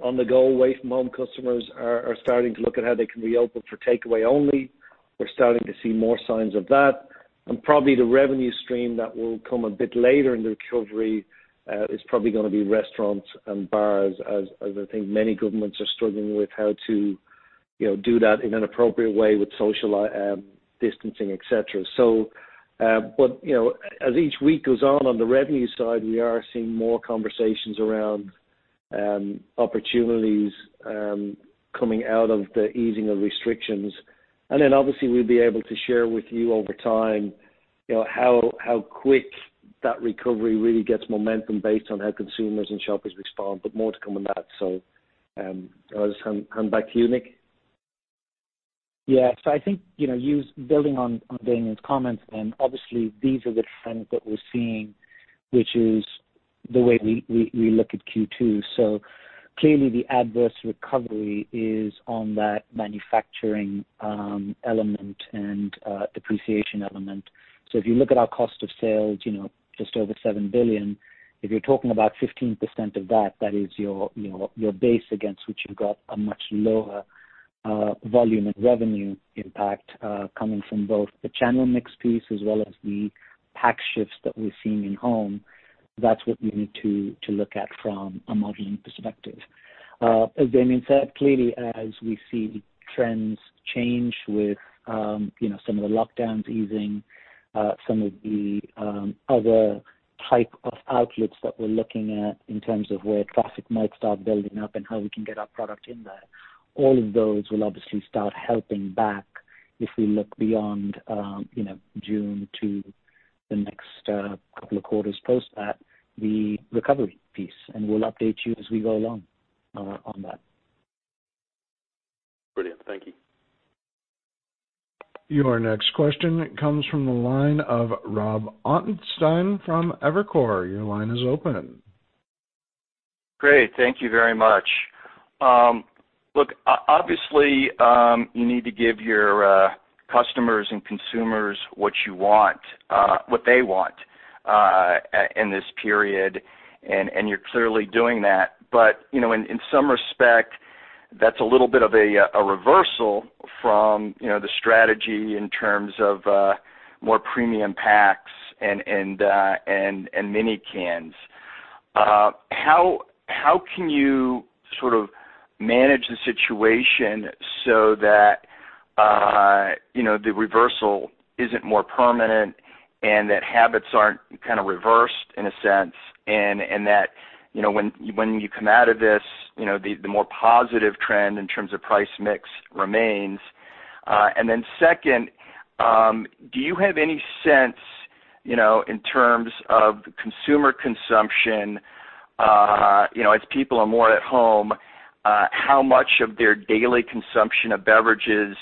on-the-go, away-from-home customers are starting to look at how they can reopen for takeaway only. We're starting to see more signs of that, and probably the revenue stream that will come a bit later in the recovery is probably gonna be restaurants and bars, as I think many governments are struggling with how to do that in an appropriate way with social distancing, et cetera. But you know, as each week goes on, on the revenue side, we are seeing more conversations around opportunities coming out of the easing of restrictions. And then, obviously, we'll be able to share with you over time, you know, how quick that recovery really gets momentum based on how consumers and shoppers respond, but more to come on that. I'll just hand back to you, Nik. Yeah. So I think, you know, building on Damian's comments, and obviously, these are the trends that we're seeing, which is the way we look at Q2. So clearly, the adverse leverage is on that manufacturing element and depreciation element. So if you look at our cost of sales, you know, just over 7 billion, if you're talking about 15% of that, that is your, you know, your base against which you've got a much lower volume and revenue impact coming from both the channel mix piece as well as the pack shifts that we're seeing in home. That's what we need to look at from a modeling perspective. As Damian said, clearly, as we see trends change with, you know, some of the lockdowns easing, some of the other-... Type of outlets that we're looking at in terms of where traffic might start building up and how we can get our product in there. All of those will obviously start helping back if we look beyond, you know, June to the next couple of quarters post that, the recovery piece, and we'll update you as we go along, on that. Brilliant. Thank you. Your next question comes from the line of Robert Ottenstein from Evercore ISI. Your line is open. Great. Thank you very much. Look, obviously, you need to give your customers and consumers what you want, what they want, in this period, and you're clearly doing that. But, you know, in some respect, that's a little bit of a reversal from, you know, the strategy in terms of more premium packs and mini cans. How can you sort of manage the situation so that, you know, the reversal isn't more permanent and that habits aren't kind of reversed in a sense, and that, you know, when you come out of this, you know, the more positive trend in terms of price mix remains? And then second, do you have any sense, you know, in terms of consumer consumption, you know, as people are more at home, how much of their daily consumption of beverages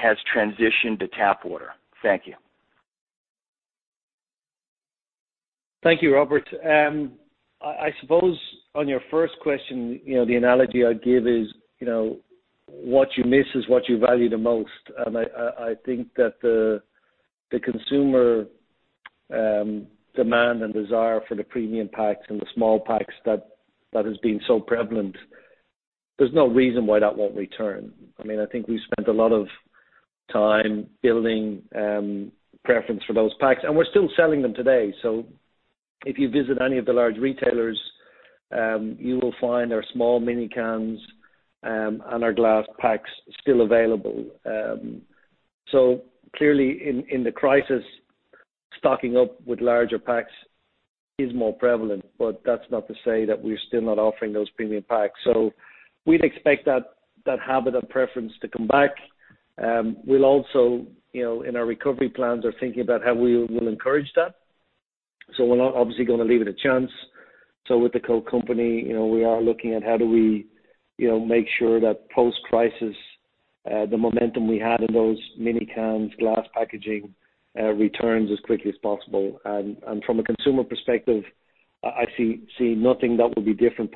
has transitioned to tap water? Thank you. Thank you, Robert. I suppose on your first question, you know, the analogy I'd give is, you know, what you miss is what you value the most. And I think that the consumer demand and desire for the premium packs and the small packs that has been so prevalent, there's no reason why that won't return. I mean, I think we've spent a lot of time building preference for those packs, and we're still selling them today. So if you visit any of the large retailers, you will find our small mini cans and our glass packs still available. So clearly in the crisis, stocking up with larger packs is more prevalent, but that's not to say that we're still not offering those premium packs. So we'd expect that habit of preference to come back. We'll also, you know, in our recovery plans, are thinking about how we will encourage that. So we're not obviously gonna leave it a chance. So with the Coke Company, you know, we are looking at how do we, you know, make sure that post-crisis, the momentum we had in those mini cans, glass packaging, returns as quickly as possible. And from a consumer perspective, I see nothing that will be different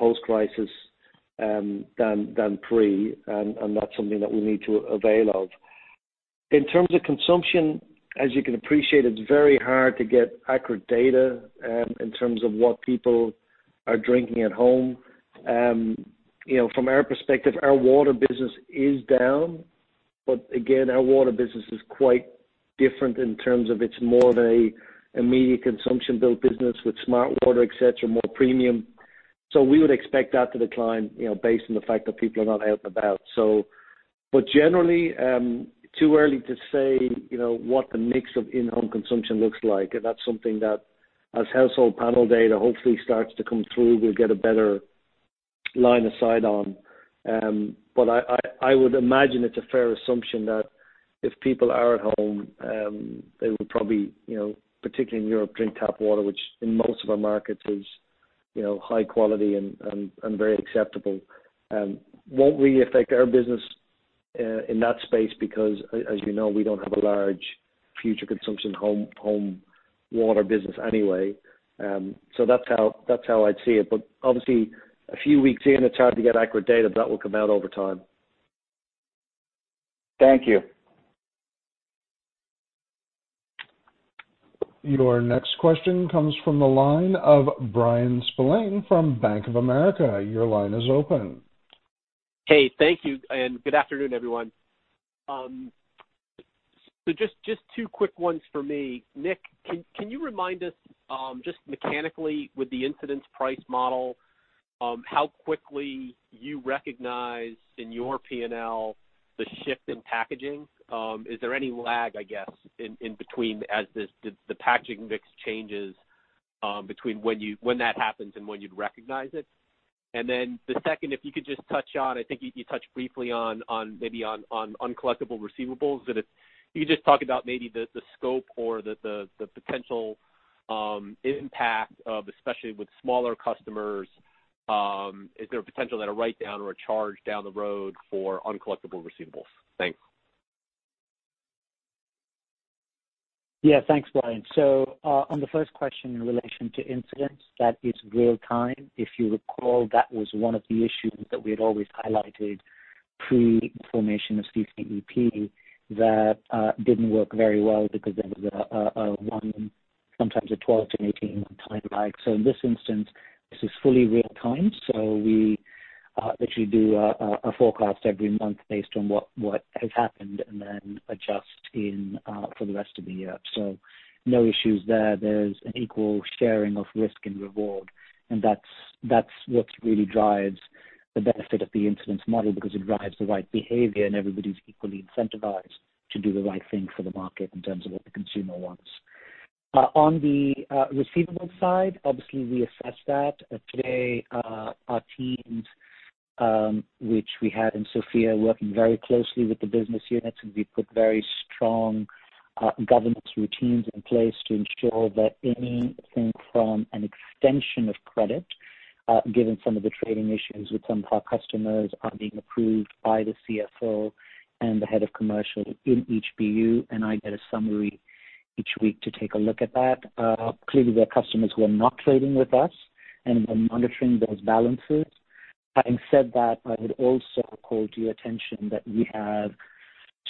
post-crisis than pre, and that's something that we need to avail of. In terms of consumption, as you can appreciate, it's very hard to get accurate data in terms of what people are drinking at home. You know, from our perspective, our water business is down, but again, our water business is quite different in terms of it's more of a immediate consumption-built business with smartwater, et cetera, more premium. So we would expect that to decline, you know, based on the fact that people are not out and about. But generally, too early to say, you know, what the mix of in-home consumption looks like. That's something that as household panel data hopefully starts to come through, we'll get a better line of sight on. But I would imagine it's a fair assumption that if people are at home, they would probably, you know, particularly in Europe, drink tap water, which in most of our markets is, you know, high quality and very acceptable. Won't really affect our business in that space, because as you know, we don't have a large future consumption home water business anyway, so that's how I'd see it. But obviously, a few weeks in, it's hard to get accurate data. That will come out over time. Thank you. Your next question comes from the line of Brian Spillane from Bank of America. Your line is open. Hey, thank you, and good afternoon, everyone. So just two quick ones for me. Nik, can you remind us, just mechanically with the incidence price model, how quickly you recognize in your P&L the shift in packaging? Is there any lag, I guess, in between as the packaging mix changes, between when that happens and when you'd recognize it? And then the second, if you could just touch on, I think you touched briefly on maybe on uncollectible receivables. If you could just talk about maybe the scope or the potential impact of, especially with smaller customers, is there a potential that a write-down or a charge down the road for uncollectible receivables? Thanks. Yeah, thanks, Brian. So, on the first question in relation to incidence, that is real time. If you recall, that was one of the issues that we had always highlighted pre-formation of CCEP that didn't work very well because there was a one, sometimes a 12- to 18-month timeline. So in this instance, this is fully real time, so we literally do a forecast every month based on what has happened, and then adjust in for the rest of the year. So no issues there. There's an equal sharing of risk and reward, and that's what really drives the benefit of the incidence model, because it drives the right behavior and everybody's equally incentivized to do the right thing for the market in terms of what the consumer wants. On the receivable side, obviously, we assess that. Today, our teams, which we have in Sofia, working very closely with the business units, and we put very strong governance routines in place to ensure that anything from an extension of credit, given some of the trading issues with some of our customers, are being approved by the CFO and the head of commercial in each BU, and I get a summary each week to take a look at that. Clearly, there are customers who are not trading with us, and we're monitoring those balances. Having said that, I would also call to your attention that we have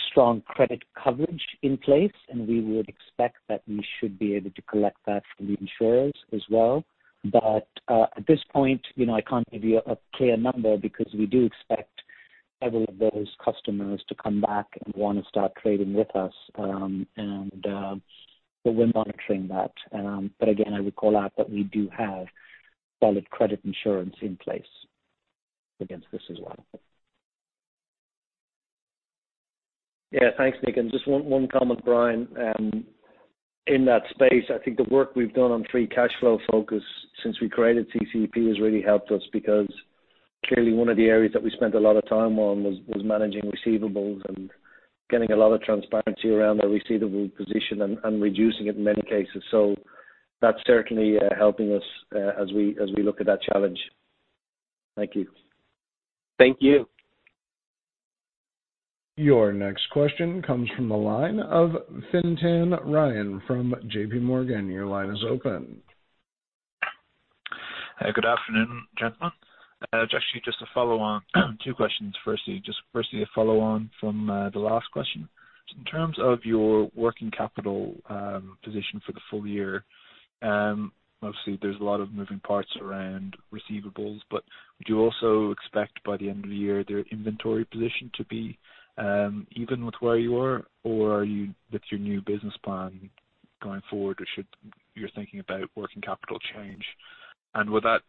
strong credit coverage in place, and we would expect that we should be able to collect that from the insurers as well. But, at this point, you know, I can't give you a clear number because we do expect every of those customers to come back and want to start trading with us. And, but we're monitoring that. But again, I would call out that we do have solid credit insurance in place against this as well. Yeah, thanks, Nik. And just one comment, Brian. In that space, I think the work we've done on free cash flow focus since we created CCEP has really helped us because clearly one of the areas that we spent a lot of time on was managing receivables and getting a lot of transparency around the receivable position and reducing it in many cases. So that's certainly helping us as we look at that challenge. Thank you. Thank you. Your next question comes from the line of Fintan Ryan from J.P. Morgan. Your line is open. Good afternoon, gentlemen. It's actually just a follow on, two questions. Firstly, just a follow on from the last question. So in terms of your working capital position for the full year, obviously there's a lot of moving parts around receivables, but would you also expect by the end of the year, their inventory position to be even with where you are, or are you, with your new business plan going forward, or should your thinking about working capital change? With that,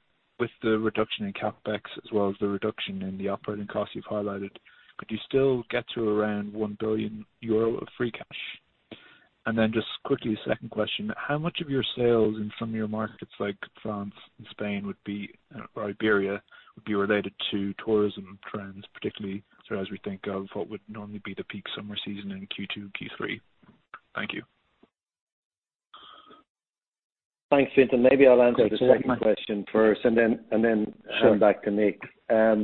with the reduction in CapEx, as well as the reduction in the operating costs you've highlighted, could you still get to around 1 billion euro of free cash? Then just quickly, the second question, how much of your sales in some of your markets, like France and Spain, or Iberia, would be related to tourism trends, particularly as we think of what would normally be the peak summer season in Q2, Q3? Thank you. Thanks, Fintan. Maybe I'll answer the second question first and then hand back to Nik. Yeah.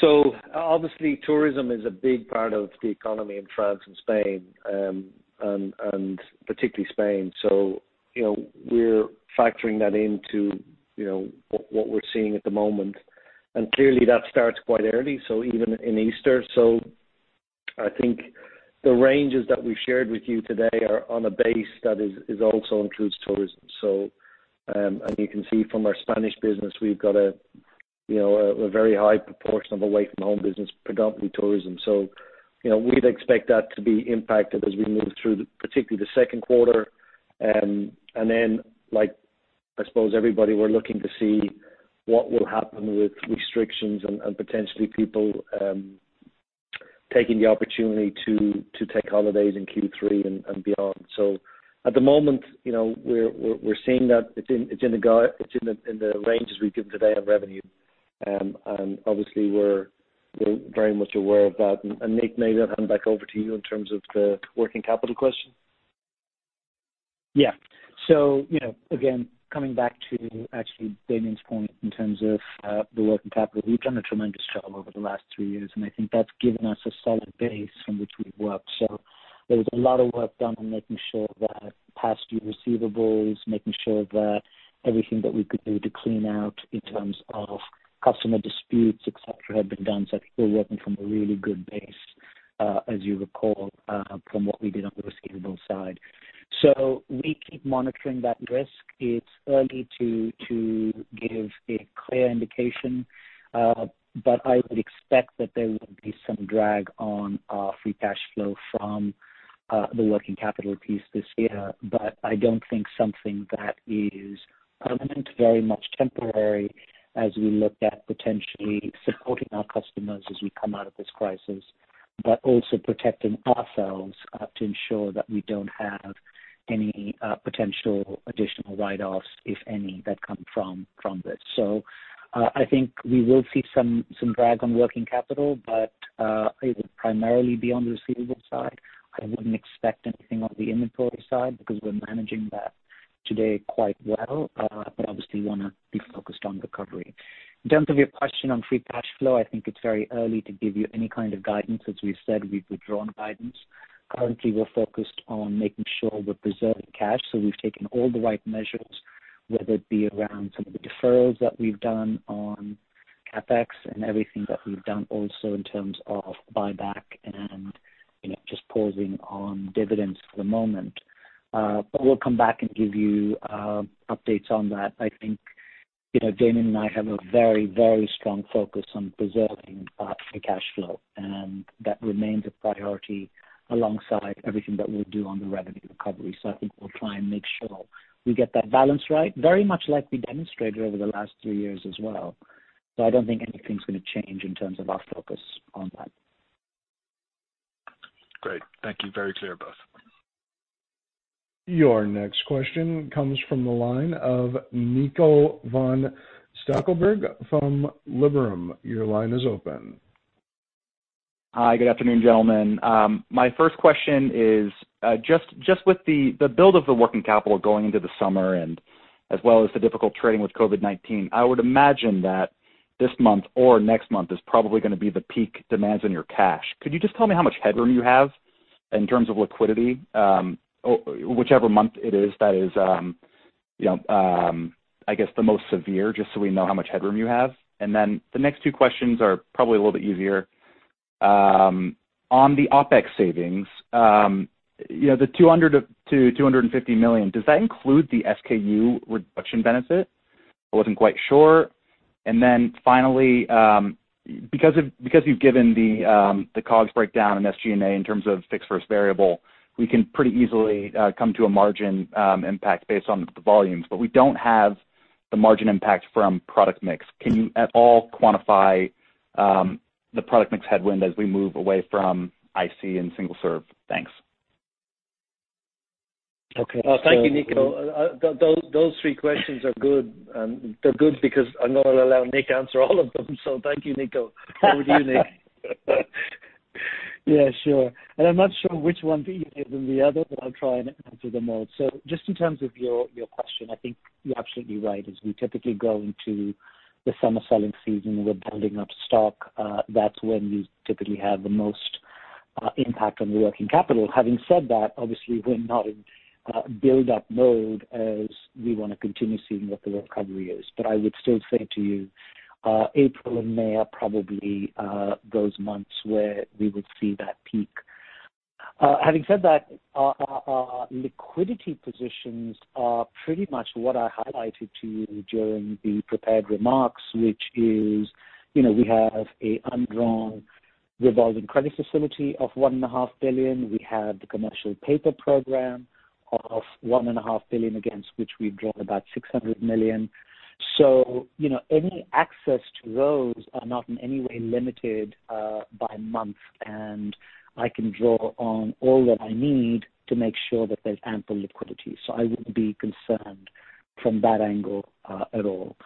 So obviously, tourism is a big part of the economy in France and Spain, and particularly Spain. So, you know, we're factoring that into what we're seeing at the moment. And clearly, that starts quite early, so even in Easter. So I think the ranges that we've shared with you today are on a base that also includes tourism. So, and you can see from our Spanish business, we've got a, you know, a very high proportion of away from home business, predominantly tourism. So, you know, we'd expect that to be impacted as we move through, particularly the second quarter. And then, like, I suppose everybody, we're looking to see what will happen with restrictions and potentially people taking the opportunity to take holidays in Q3 and beyond. So at the moment, you know, we're seeing that it's in the ranges we've given today on revenue. And obviously, we're very much aware of that. And Nik, maybe I'll hand back over to you in terms of the working capital question. Yeah. So, you know, again, coming back to actually Damian's point in terms of the working capital, we've done a tremendous job over the last three years, and I think that's given us a solid base from which we've worked. So there was a lot of work done on making sure that past due receivables, making sure that everything that we could do to clean out in terms of customer disputes, et cetera, have been done. So I think we're working from a really good base, as you recall, from what we did on the receivable side. So we keep monitoring that risk. It's early to give a clear indication, but I would expect that there will be some drag on free cash flow from the working capital piece this year. But I don't think something that is permanent. Very much temporary as we look at potentially supporting our customers as we come out of this crisis, but also protecting ourselves to ensure that we don't have any potential additional write-offs, if any, that come from this. So I think we will see some drag on working capital, but it would primarily be on the receivable side. I wouldn't expect anything on the inventory side because we're managing that today quite well, but obviously wanna be focused on recovery. In terms of your question on free cash flow, I think it's very early to give you any kind of guidance. As we've said, we've withdrawn guidance. Currently, we're focused on making sure we're preserving cash, so we've taken all the right measures, whether it be around some of the deferrals that we've done on CapEx and everything that we've done also in terms of buyback and, you know, just pausing on dividends for the moment. But we'll come back and give you updates on that. I think, you know, Damian and I have a very, very strong focus on preserving free cash flow, and that remains a priority alongside everything that we do on the revenue recovery. So I think we'll try and make sure we get that balance right, very much like we demonstrated over the last three years as well. So I don't think anything's gonna change in terms of our focus on that. Great. Thank you. Very clear, both. Your next question comes from the line of Niko von Stackelberg from Liberum. Your line is open. Hi, good afternoon, gentlemen. My first question is just with the build of the working capital going into the summer and as well as the difficult trading with COVID-19. I would imagine that this month or next month is probably gonna be the peak demands on your cash. Could you just tell me how much headroom you have in terms of liquidity? Or whichever month it is that is, you know, I guess, the most severe, just so we know how much headroom you have. Then the next two questions are probably a little bit easier. On the OpEx savings, you know, the 200 million-250 million, does that include the SKU reduction benefit? I wasn't quite sure. And then finally, because you've given the COGS breakdown and SG&A in terms of fixed versus variable, we can pretty easily come to a margin impact based on the volumes, but we don't have the margin impact from product mix. Can you at all quantify the product mix headwind as we move away from IC and single serve? Thanks. Okay. Thank you, Niko. Those three questions are good, and they're good because I'm gonna allow Nik answer all of them. So thank you, Niko. Over to you, Nik. Yeah, sure. I'm not sure which one to answer than the other, but I'll try and answer them all. So just in terms of your question, I think you're absolutely right. As we typically go into the summer selling season, we're building up stock. That's when we typically have the most impact on the working capital. Having said that, obviously, we're not in build-up mode as we want to continue seeing what the recovery is. But I would still say to you, April and May are probably those months where we would see that peak. Having said that, our liquidity positions are pretty much what I highlighted to you during the prepared remarks, which is, you know, we have an undrawn revolving credit facility of €1.5 billion. We have the commercial paper program of 1.5 billion, against which we've drawn about 600 million. So, you know, any access to those are not in any way limited by month, and I can draw on all that I need to make sure that there's ample liquidity, so I wouldn't be concerned from that angle at all.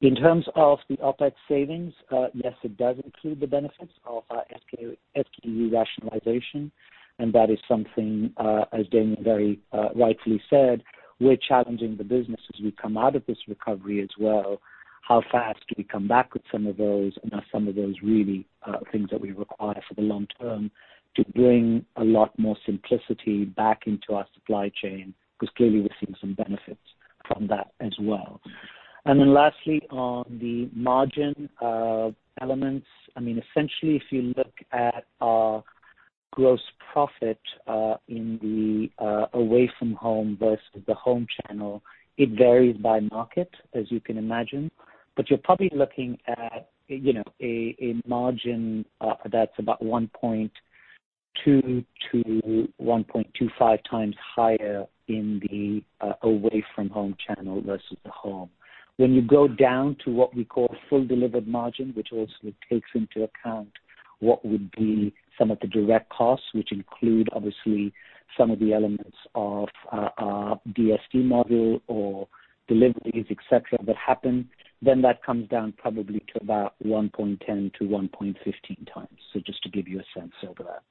In terms of the OpEx savings, yes, it does include the benefits of SKU rationalization, and that is something, as Damian very rightfully said, we're challenging the business as we come out of this recovery as well, how fast do we come back with some of those? Are some of those really things that we require for the long term to bring a lot more simplicity back into our supply chain, because clearly we're seeing some benefits from that as well. Then lastly, on the margin elements, I mean, essentially, if you look at our gross profit in the away from home versus the home channel, it varies by market, as you can imagine, but you're probably looking at, you know, a margin that's about 1.2-1.25 times higher in the away from home channel versus the home. When you go down to what we call full delivered margin, which also takes into account what would be some of the direct costs, which include obviously some of the elements of our DSD model or deliveries, et cetera, that happen, then that comes down probably to about one point ten to one point fifteen times. So just to give you a sense over that.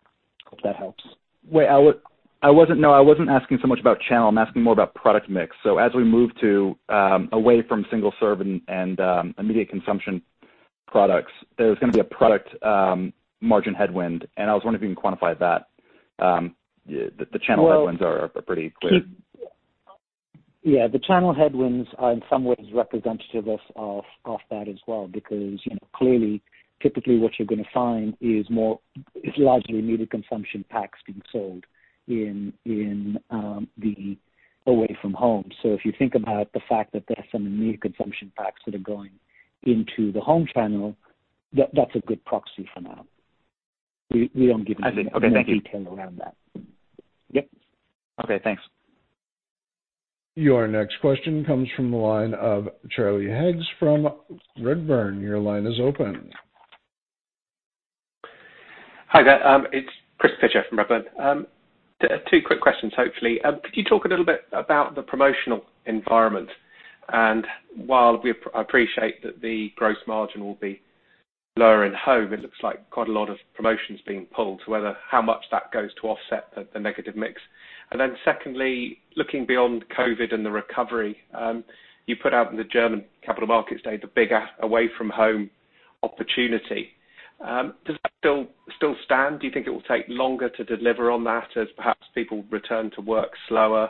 Hope that helps. No, I wasn't asking so much about channel. I'm asking more about product mix. So as we move to away from single serve and immediate consumption products, there's gonna be a product margin headwind, and I was wondering if you can quantify that. The channel headwinds are pretty clear. Yeah, the channel headwinds are in some ways representative of that as well, because, you know, clearly, typically what you're gonna find is largely immediate consumption packs being sold in the away from home. So if you think about the fact that there are some immediate consumption packs that are going into the home channel, that's a good proxy for now. We don't give any- I see. Okay, thank you. Detail around that. Yep. Okay, thanks. Your next question comes from the line of Charlie Higgs from Redburn. Your line is open. Hi there, it's Chris Pitcher from Redburn. Two quick questions, hopefully. Could you talk a little bit about the promotional environment? And while I appreciate that the gross margin will be lower in home, it looks like quite a lot of promotions being pulled, so whether how much that goes to offset the negative mix. And then secondly, looking beyond COVID and the recovery, you put out in the German capital markets day, the bigger away from home opportunity. Does that still stand? Do you think it will take longer to deliver on that as perhaps people return to work slower,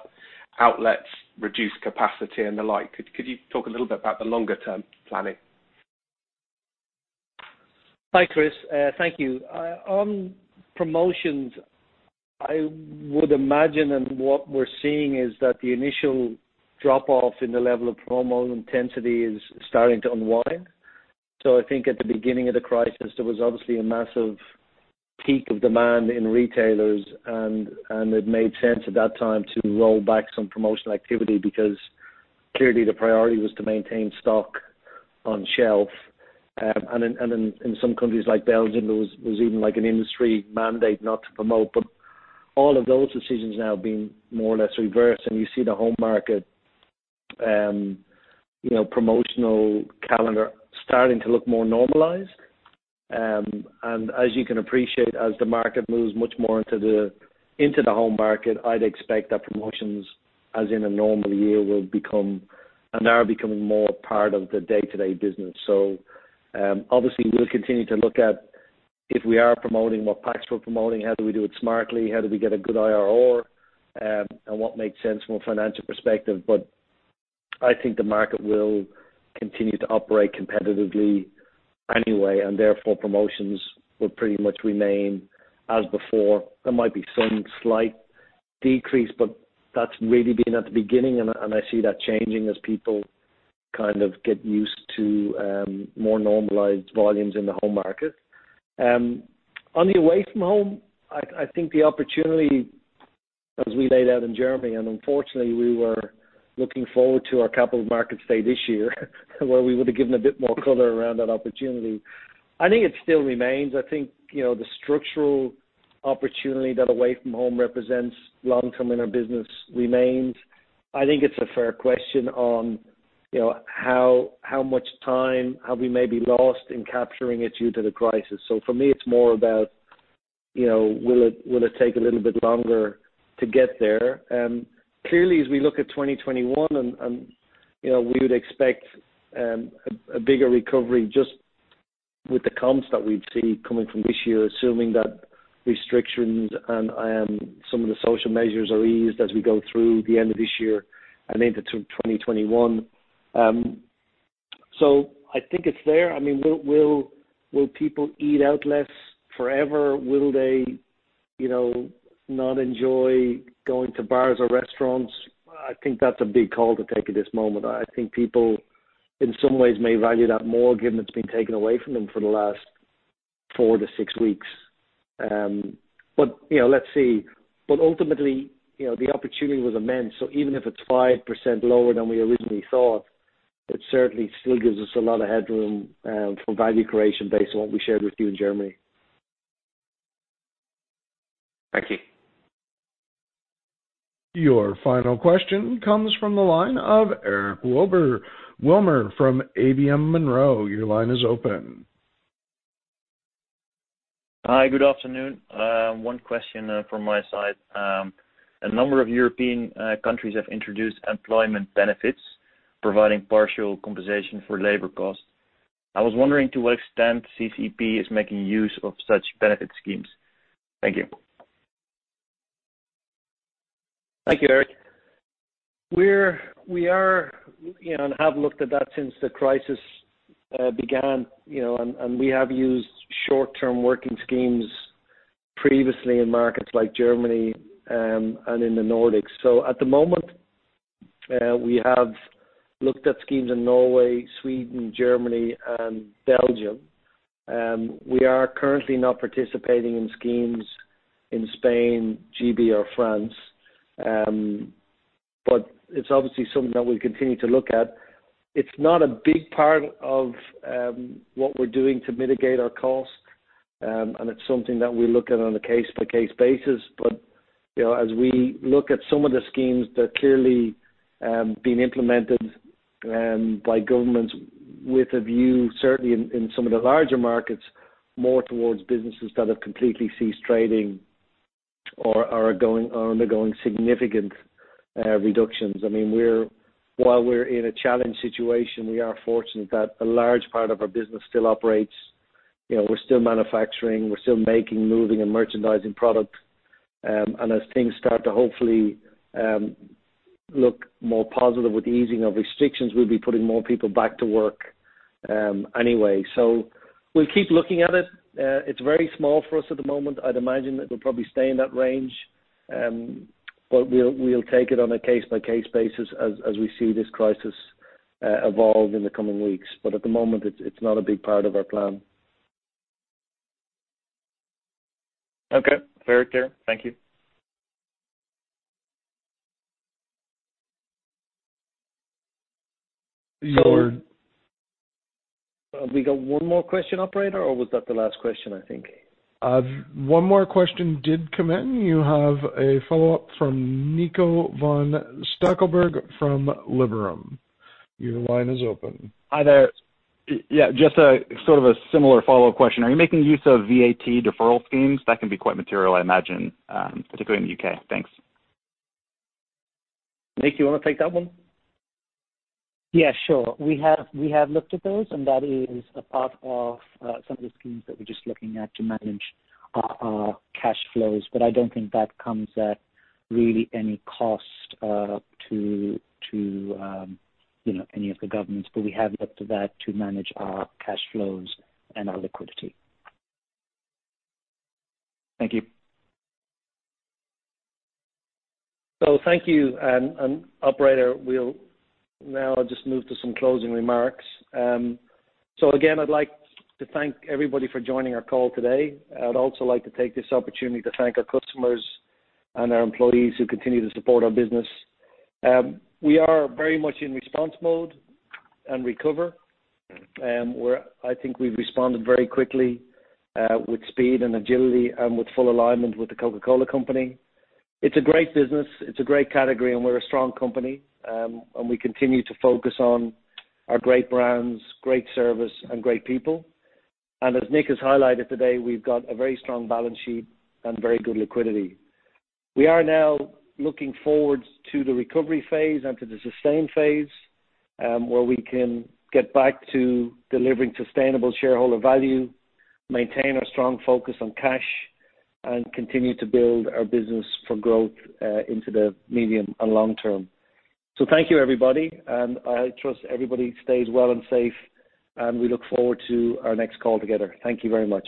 outlets reduce capacity and the like? Could you talk a little bit about the longer term planning? Hi, Chris, thank you. On promotions, I would imagine and what we're seeing is that the initial drop-off in the level of promo intensity is starting to unwind. So I think at the beginning of the crisis, there was obviously a massive peak of demand in retailers, and it made sense at that time to roll back some promotional activity because clearly the priority was to maintain stock on shelf. And in some countries like Belgium, there was even like an industry mandate not to promote. But all of those decisions now have been more or less reversed, and you see the home market, you know, promotional calendar starting to look more normalized. And as you can appreciate, as the market moves much more into the home market, I'd expect that promotions, as in a normal year, will become, and are becoming more part of the day-to-day business. So, obviously, we'll continue to look at if we are promoting, what packs we're promoting, how do we do it smartly, how do we get a good IRR, and what makes sense from a financial perspective. But I think the market will continue to operate competitively anyway, and therefore, promotions will pretty much remain as before. There might be some slight decrease, but that's really been at the beginning, and I see that changing as people kind of get used to more normalized volumes in the home market. On the away from home, I think the opportunity as we laid out in Germany, and unfortunately we were looking forward to our capital markets day this year, where we would have given a bit more color around that opportunity. I think it still remains. I think, you know, the structural opportunity that away from home represents long-term in our business remains. I think it's a fair question on, you know, how much time have we maybe lost in capturing it due to the crisis. So for me, it's more about, you know, will it take a little bit longer to get there? Clearly, as we look at 2021, and, you know, we would expect a bigger recovery just with the comps that we'd see coming from this year, assuming that restrictions and some of the social measures are eased as we go through the end of this year and into 2021. So I think it's there. I mean, will people eat out less forever? Will they, you know, not enjoy going to bars or restaurants? I think that's a big call to take at this moment. I think people, in some ways, may value that more, given it's been taken away from them for the last four to six weeks. But, you know, let's see. But ultimately, you know, the opportunity was immense, so even if it's 5% lower than we originally thought, it certainly still gives us a lot of headroom for value creation based on what we shared with you in Germany. Thank you. Your final question comes from the line of Eric Wilmer from ABN AMRO. Your line is open. Hi, good afternoon. One question from my side. A number of European countries have introduced employment benefits, providing partial compensation for labor costs. I was wondering, to what extent CCEP is making use of such benefit schemes? Thank you. Thank you, Eric. We are, you know, and have looked at that since the crisis began, you know, and we have used short-term working schemes previously in markets like Germany and in the Nordics. So at the moment, we have looked at schemes in Norway, Sweden, Germany, and Belgium. We are currently not participating in schemes in Spain, GB, or France, but it's obviously something that we continue to look at. It's not a big part of what we're doing to mitigate our costs, and it's something that we look at on a case-by-case basis. But you know, as we look at some of the schemes that clearly being implemented by governments with a view, certainly in some of the larger markets, more towards businesses that have completely ceased trading or are undergoing significant reductions. I mean, while we're in a challenged situation, we are fortunate that a large part of our business still operates. You know, we're still manufacturing, we're still making, moving, and merchandising product. And as things start to hopefully look more positive with the easing of restrictions, we'll be putting more people back to work, anyway, so we'll keep looking at it. It's very small for us at the moment. I'd imagine that we'll probably stay in that range, but we'll take it on a case-by-case basis as we see this crisis evolve in the coming weeks, but at the moment, it's not a big part of our plan. Okay, very clear. Thank you. Your- We got one more question, operator, or was that the last question, I think? One more question did come in. You have a follow-up from Niko von Stackelberg from Liberum. Your line is open. Hi there. Yeah, just a sort of a similar follow-up question. Are you making use of VAT deferral schemes? That can be quite material, I imagine, particularly in the UK. Thanks. Nik, you wanna take that one? Yeah, sure. We have looked at those, and that is a part of some of the schemes that we're just looking at to manage our cash flows. But I don't think that comes at really any cost to you know, any of the governments, but we have looked at that to manage our cash flows and our liquidity. Thank you. So thank you, and operator, we'll now just move to some closing remarks. So again, I'd like to thank everybody for joining our call today. I'd also like to take this opportunity to thank our customers and our employees who continue to support our business. We are very much in response mode and recover. I think we've responded very quickly, with speed and agility and with full alignment with the Coca-Cola Company. It's a great business, it's a great category, and we're a strong company, and we continue to focus on our great brands, great service, and great people. And as Nik has highlighted today, we've got a very strong balance sheet and very good liquidity. We are now looking forward to the recovery phase and to the sustain phase, where we can get back to delivering sustainable shareholder value, maintain our strong focus on cash, and continue to build our business for growth, into the medium and long term. So thank you, everybody, and I trust everybody stays well and safe, and we look forward to our next call together. Thank you very much.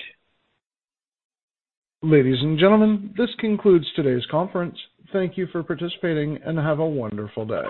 Ladies and gentlemen, this concludes today's conference. Thank you for participating, and have a wonderful day.